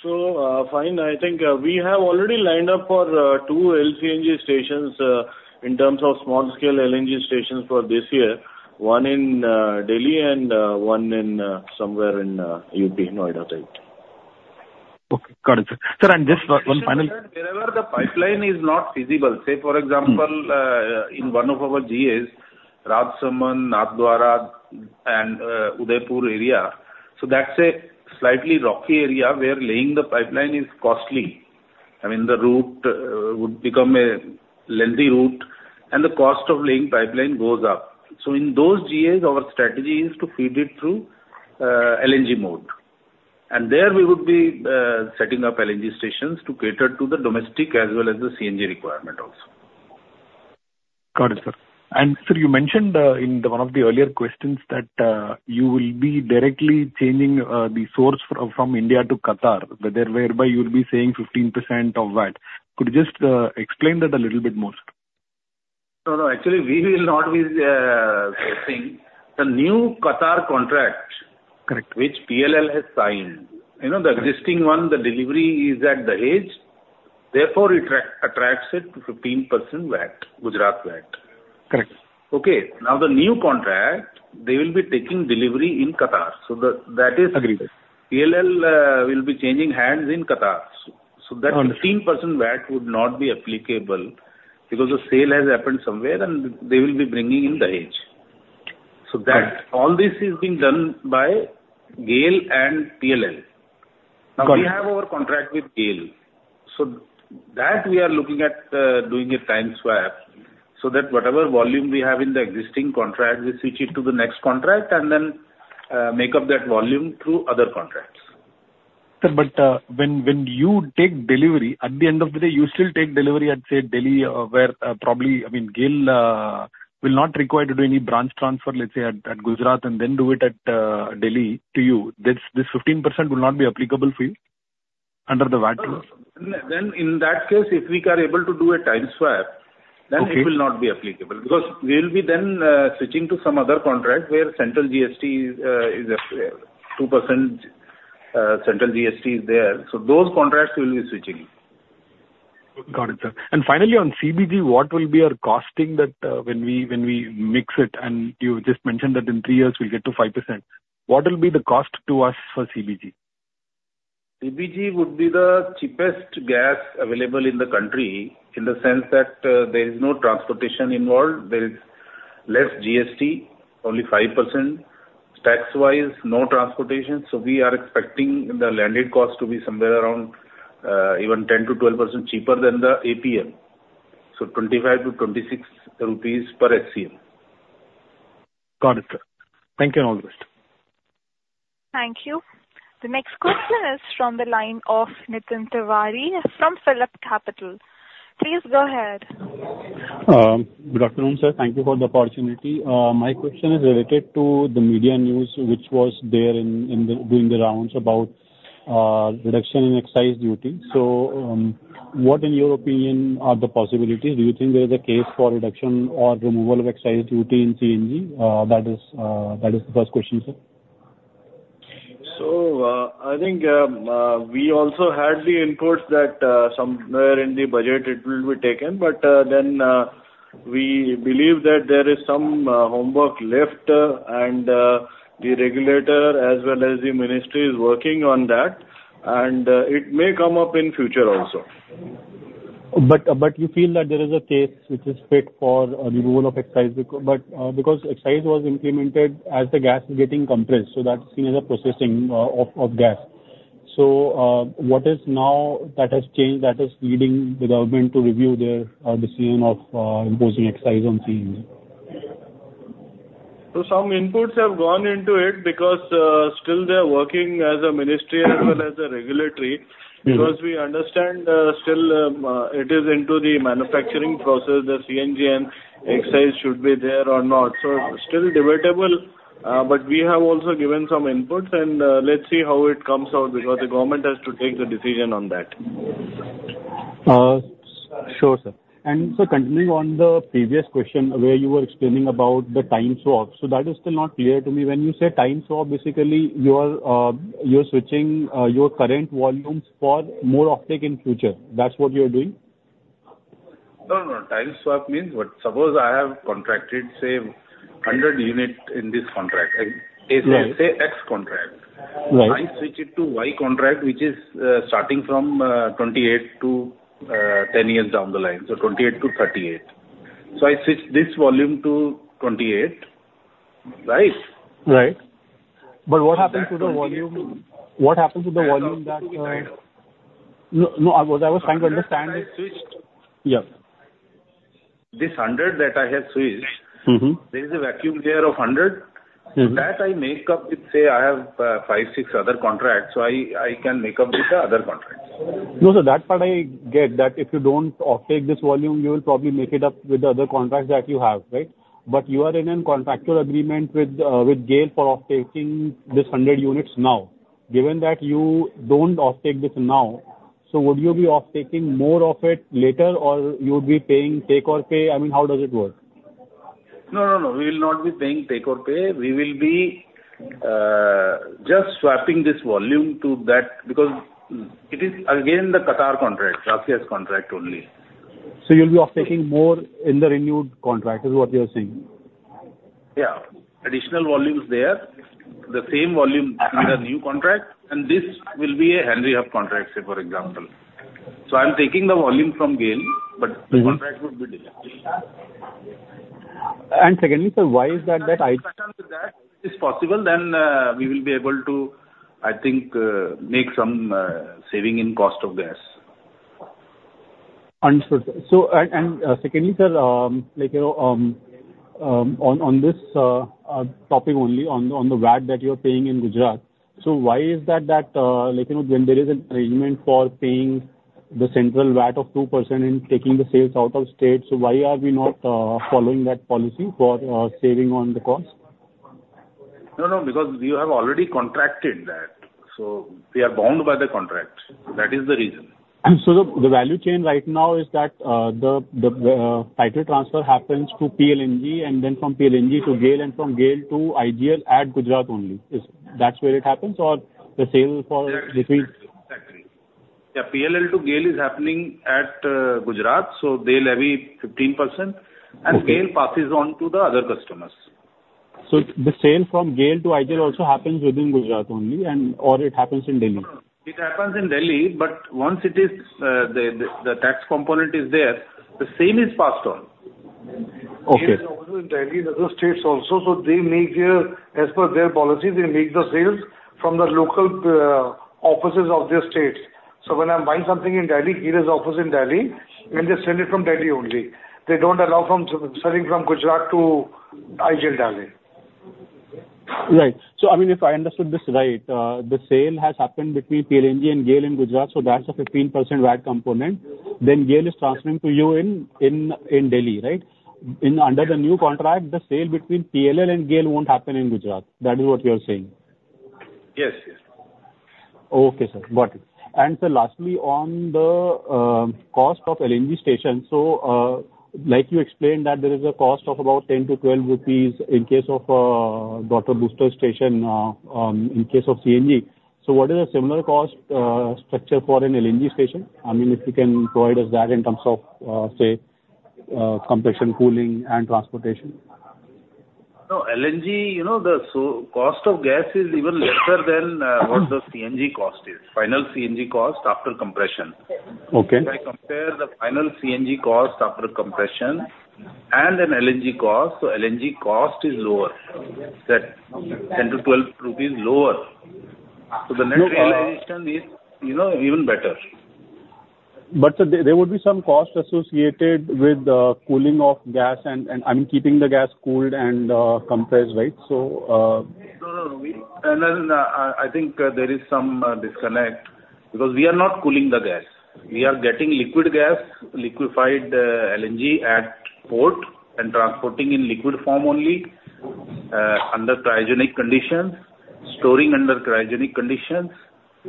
So, fine. I think we have already lined up for two LCNG stations in terms of small scale LNG stations for this year. One in Delhi and one in somewhere in UP, Noida type. Got it, sir. Sir, and just one final- Wherever the pipeline is not feasible, say for example, in one of our GAs, Rajsamand, Nathdwara, and Udaipur area, so that's a slightly rocky area where laying the pipeline is costly. I mean, the route would become a lengthy route, and the cost of laying pipeline goes up. So in those GAs, our strategy is to feed it through LNG mode. And there we would be setting up LNG stations to cater to the domestic as well as the CNG requirement also. Got it, sir. Sir, you mentioned in one of the earlier questions that you will be directly changing the source from India to Qatar, whereby you'll be saving 15% of VAT. Could you just explain that a little bit more, sir? No, no, actually, we will not be paying. The new Qatar contract- Correct. which PLL has signed, you know, the existing one, the delivery is at Dahej, therefore, it attracts it to 15% VAT, Gujarat VAT. Correct. Okay. Now, the new contract, they will be taking delivery in Qatar, so the, that is- Agreed. PLL will be changing hands in Qatar. Understood. 15% VAT would not be applicable because the sale has happened somewhere, and they will be bringing in Dahej. Got it. So that all this is being done by GAIL and PLL. Got it. Now, we have our contract with GAIL, so that we are looking at, doing a time swap, so that whatever volume we have in the existing contract, we switch it to the next contract, and then, make up that volume through other contracts. Sir, but when you take delivery, at the end of the day, you still take delivery at, say, Delhi, where probably, I mean, GAIL will not require to do any branch transfer, let's say, at Gujarat and then do it at Delhi to you. This 15% will not be applicable for you under the VAT? No. Then, in that case, if we are able to do a time swap- Okay. Then it will not be applicable, because we will be then switching to some other contract where central GST is a 2% central GST is there, so those contracts we will be switching. Got it, sir. And finally, on CBG, what will be your costing that, when we, when we mix it, and you just mentioned that in three years we'll get to 5%. What will be the cost to us for CBG? CBG would be the cheapest gas available in the country, in the sense that, there is no transportation involved, there is less GST, only 5%, tax-wise, no transportation. So we are expecting the landed cost to be somewhere around, even 10%-12% cheaper than the APM. So 25-26 rupees per SCM. Got it, sir. Thank you, and all the best. Thank you. The next question is from the line of Nitin Tiwari from PhillipCapital. Please go ahead. Good afternoon, sir. Thank you for the opportunity. My question is related to the media news, which was doing the rounds about reduction in excise duty. So, what in your opinion are the possibilities? Do you think there is a case for reduction or removal of excise duty in CNG? That is the first question, sir. So, I think we also had the inputs that somewhere in the budget it will be taken, but then we believe that there is some homework left, and the regulator as well as the ministry is working on that, and it may come up in future also. But you feel that there is a case which is fit for a removal of excise? Because excise was implemented as the gas is getting compressed, so that's seen as a processing of gas. So, what is now that has changed that is leading the government to review their decision of imposing excise on CNG? Some inputs have gone into it because still they're working as a ministry as well as a regulator. Because we understand, still, it is into the manufacturing process, the CNG and excise should be there or not. So still debatable, but we have also given some input, and, let's see how it comes out, because the government has to take the decision on that. Sure, sir. And so continuing on the previous question, where you were explaining about the time swap. So that is still not clear to me. When you say time swap, basically, you are, you're switching, your current volumes for more offtake in future. That's what you're doing? No, no. Time swap means what? Suppose I have contracted, say, 100 unit in this contract, like- Right. -let's say, X contract. Right. I switch it to Y contract, which is, starting from, 28 to, 10 years down the line, so 28 to 38. So I switch this volume to 28, right? Right. But what happens to the volume? That volume- What happens to the volume that Yeah. This 100 that I have switched- There is a vacuum there of 100. That I make up with, say, I have 5, 6 other contracts, so I can make up with the other contracts. No, no, that part I get, that if you don't offtake this volume, you will probably make it up with the other contracts that you have, right? But you are in a contractual agreement with GAIL for off taking this 100 units now. Given that you don't offtake this now, so would you be off taking more of it later, or you would be paying take-or-pay? I mean, how does it work? No, no, no. We will not be paying take-or-pay. We will be just swapping this volume to that because it is again, the Qatar contract, last year's contract only. You'll be off taking more in the renewed contract, is what you're saying? Yeah, additional volume is there. The same volume with a new contract, and this will be a Henry Hub contract, say, for example. So I'm taking the volume from GAIL, but- And secondly, sir, why is that I- If that is possible, then, we will be able to, I think, make some saving in cost of gas. Understood, sir. And secondly, sir, like, you know, on this topic only, on the VAT that you're paying in Gujarat. So why is that, like, you know, when there is an arrangement for paying the central VAT of 2% in taking the sales out of state, so why are we not following that policy for saving on the cost? No, no, because we have already contracted that, so we are bound by the contract. That is the reason. So the value chain right now is that the title transfer happens to PLL, and then from PLL to GAIL, and from GAIL to IGL at Gujarat only. Is that where it happens? Or the sale for between- Exactly. Exactly. Yeah, PLL to GAIL is happening at, Gujarat, so they levy 15%- Okay. And GAIL passes on to the other customers. So the sale from GAIL to IGL also happens within Gujarat only, and, or it happens in Delhi? It happens in Delhi, but once it is, the tax component is there, the same is passed on. Okay. GAIL has offices in Delhi and other states also, so they make here, as per their policy, they make the sales from the local offices of the states. So when I'm buying something in Delhi, GAIL's office in Delhi, then they send it from Delhi only. They don't allow selling from Gujarat to IGL Delhi. Right. So I mean, if I understood this right, the sale has happened between PLL and GAIL in Gujarat, so that's a 15% VAT component. Then, GAIL is transferring to you in, in, in Delhi, right? In, under the new contract, the sale between PLL and GAIL won't happen in Gujarat. That is what you are saying? Yes, yes. Okay, sir. Got it. And sir, lastly, on the cost of LNG station, so, like you explained, that there is a cost of about 10-12 rupees in case of daughter booster station in case of CNG. So what is a similar cost structure for an LNG station? I mean, if you can provide us that in terms of say compression, cooling and transportation. No, LNG, you know, the cost of gas is even lesser than what the CNG cost is, final CNG cost after compression. Okay. If I compare the final CNG cost after compression and an LNG cost, so LNG cost is lower, that 10-12 rupees lower. Okay. The net realization is, you know, even better. But sir, there would be some cost associated with the cooling of gas and, I mean, keeping the gas cooled and compressed, right? So, No, no, I think there is some disconnect, because we are not cooling the gas. We are getting liquid gas, liquefied, LNG at port and transporting in liquid form only, under cryogenic conditions, storing under cryogenic conditions,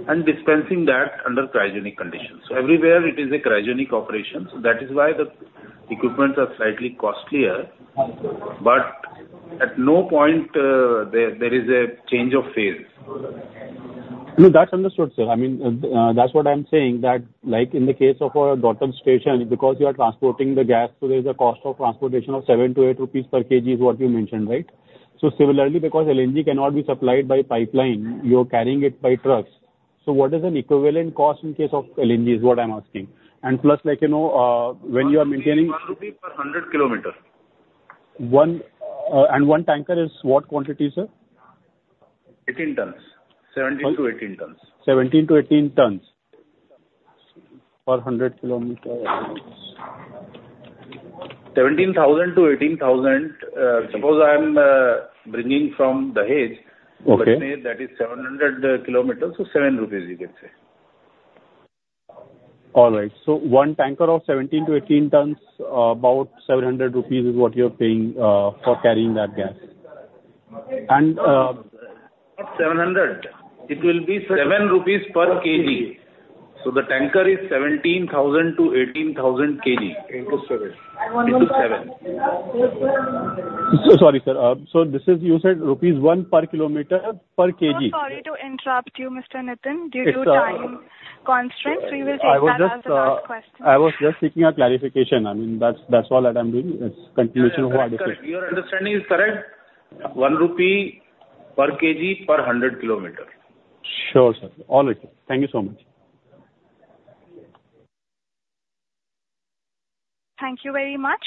and dispensing that under cryogenic conditions. So everywhere it is a cryogenic operation, so that is why the equipment is slightly costlier. But at no point, there is a change of phase. No, that's understood, sir. I mean, that's what I'm saying, that, like in the case of a daughter station, because you are transporting the gas, so there's a cost of transportation of 7-8 rupees per kg is what you mentioned, right? So similarly, because LNG cannot be supplied by pipeline, you're carrying it by trucks. So what is an equivalent cost in case of LNG, is what I'm asking. And plus, like, you know, when you are maintaining- 1 rupees per 100 km. One, and one tanker is what quantity, sir? 18 tons. How- 17-18 tons. 17-18 tons per 100 km. 17,000-18,000. Suppose I am bringing from Dahej. Okay. Let's say that is 700 km, so 7 rupees, you can say. All right. So one tanker of 17-18 tons, about 700 rupees is what you're paying for carrying that gas. And, Not 700, it will be 7 rupees per kg. So the tanker is 17,000-18,000 kg. Into 7. Into 7. Sorry, sir. This is, you said rupees 1 per km per kg? So sorry to interrupt you, Mr. Nitin. It's, uh- Due to time constraints, we will take that as the last question. I was just, I was just seeking a clarification. I mean, that's, that's all that I'm doing. It's continuation of what I did. Your understanding is correct. 1 rupee per kg per 100 km. Sure, sir. All right, sir. Thank you so much. Thank you very much.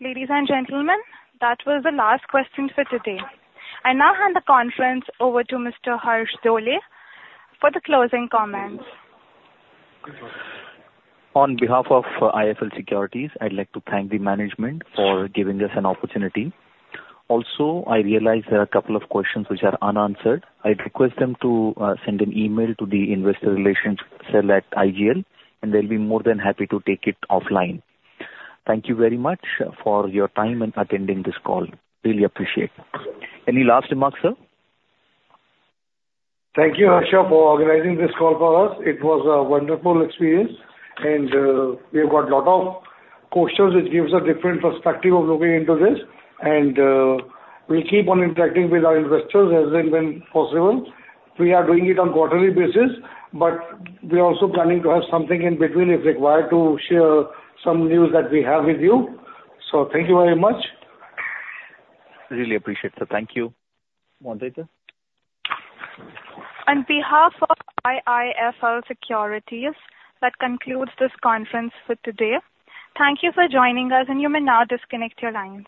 Ladies and gentlemen, that was the last question for today. I now hand the conference over to Mr. Harsh Dole for the closing comments. On behalf of IIFL Securities, I'd like to thank the management for giving us an opportunity. Also, I realize there are a couple of questions which are unanswered. I'd request them to send an email to the investor relations cell at IGL, and they'll be more than happy to take it offline. Thank you very much for your time and attending this call. Really appreciate it. Any last remarks, sir? Thank you, Harsh, for organizing this call for us. It was a wonderful experience, and we have got a lot of questions, which gives a different perspective of looking into this. We'll keep on interacting with our investors as, and when possible. We are doing it on quarterly basis, but we are also planning to have something in between, if required, to share some news that we have with you. So thank you very much. Really appreciate, sir. Thank you. Moderator? On behalf of IIFL Securities, that concludes this conference for today. Thank you for joining us, and you may now disconnect your lines.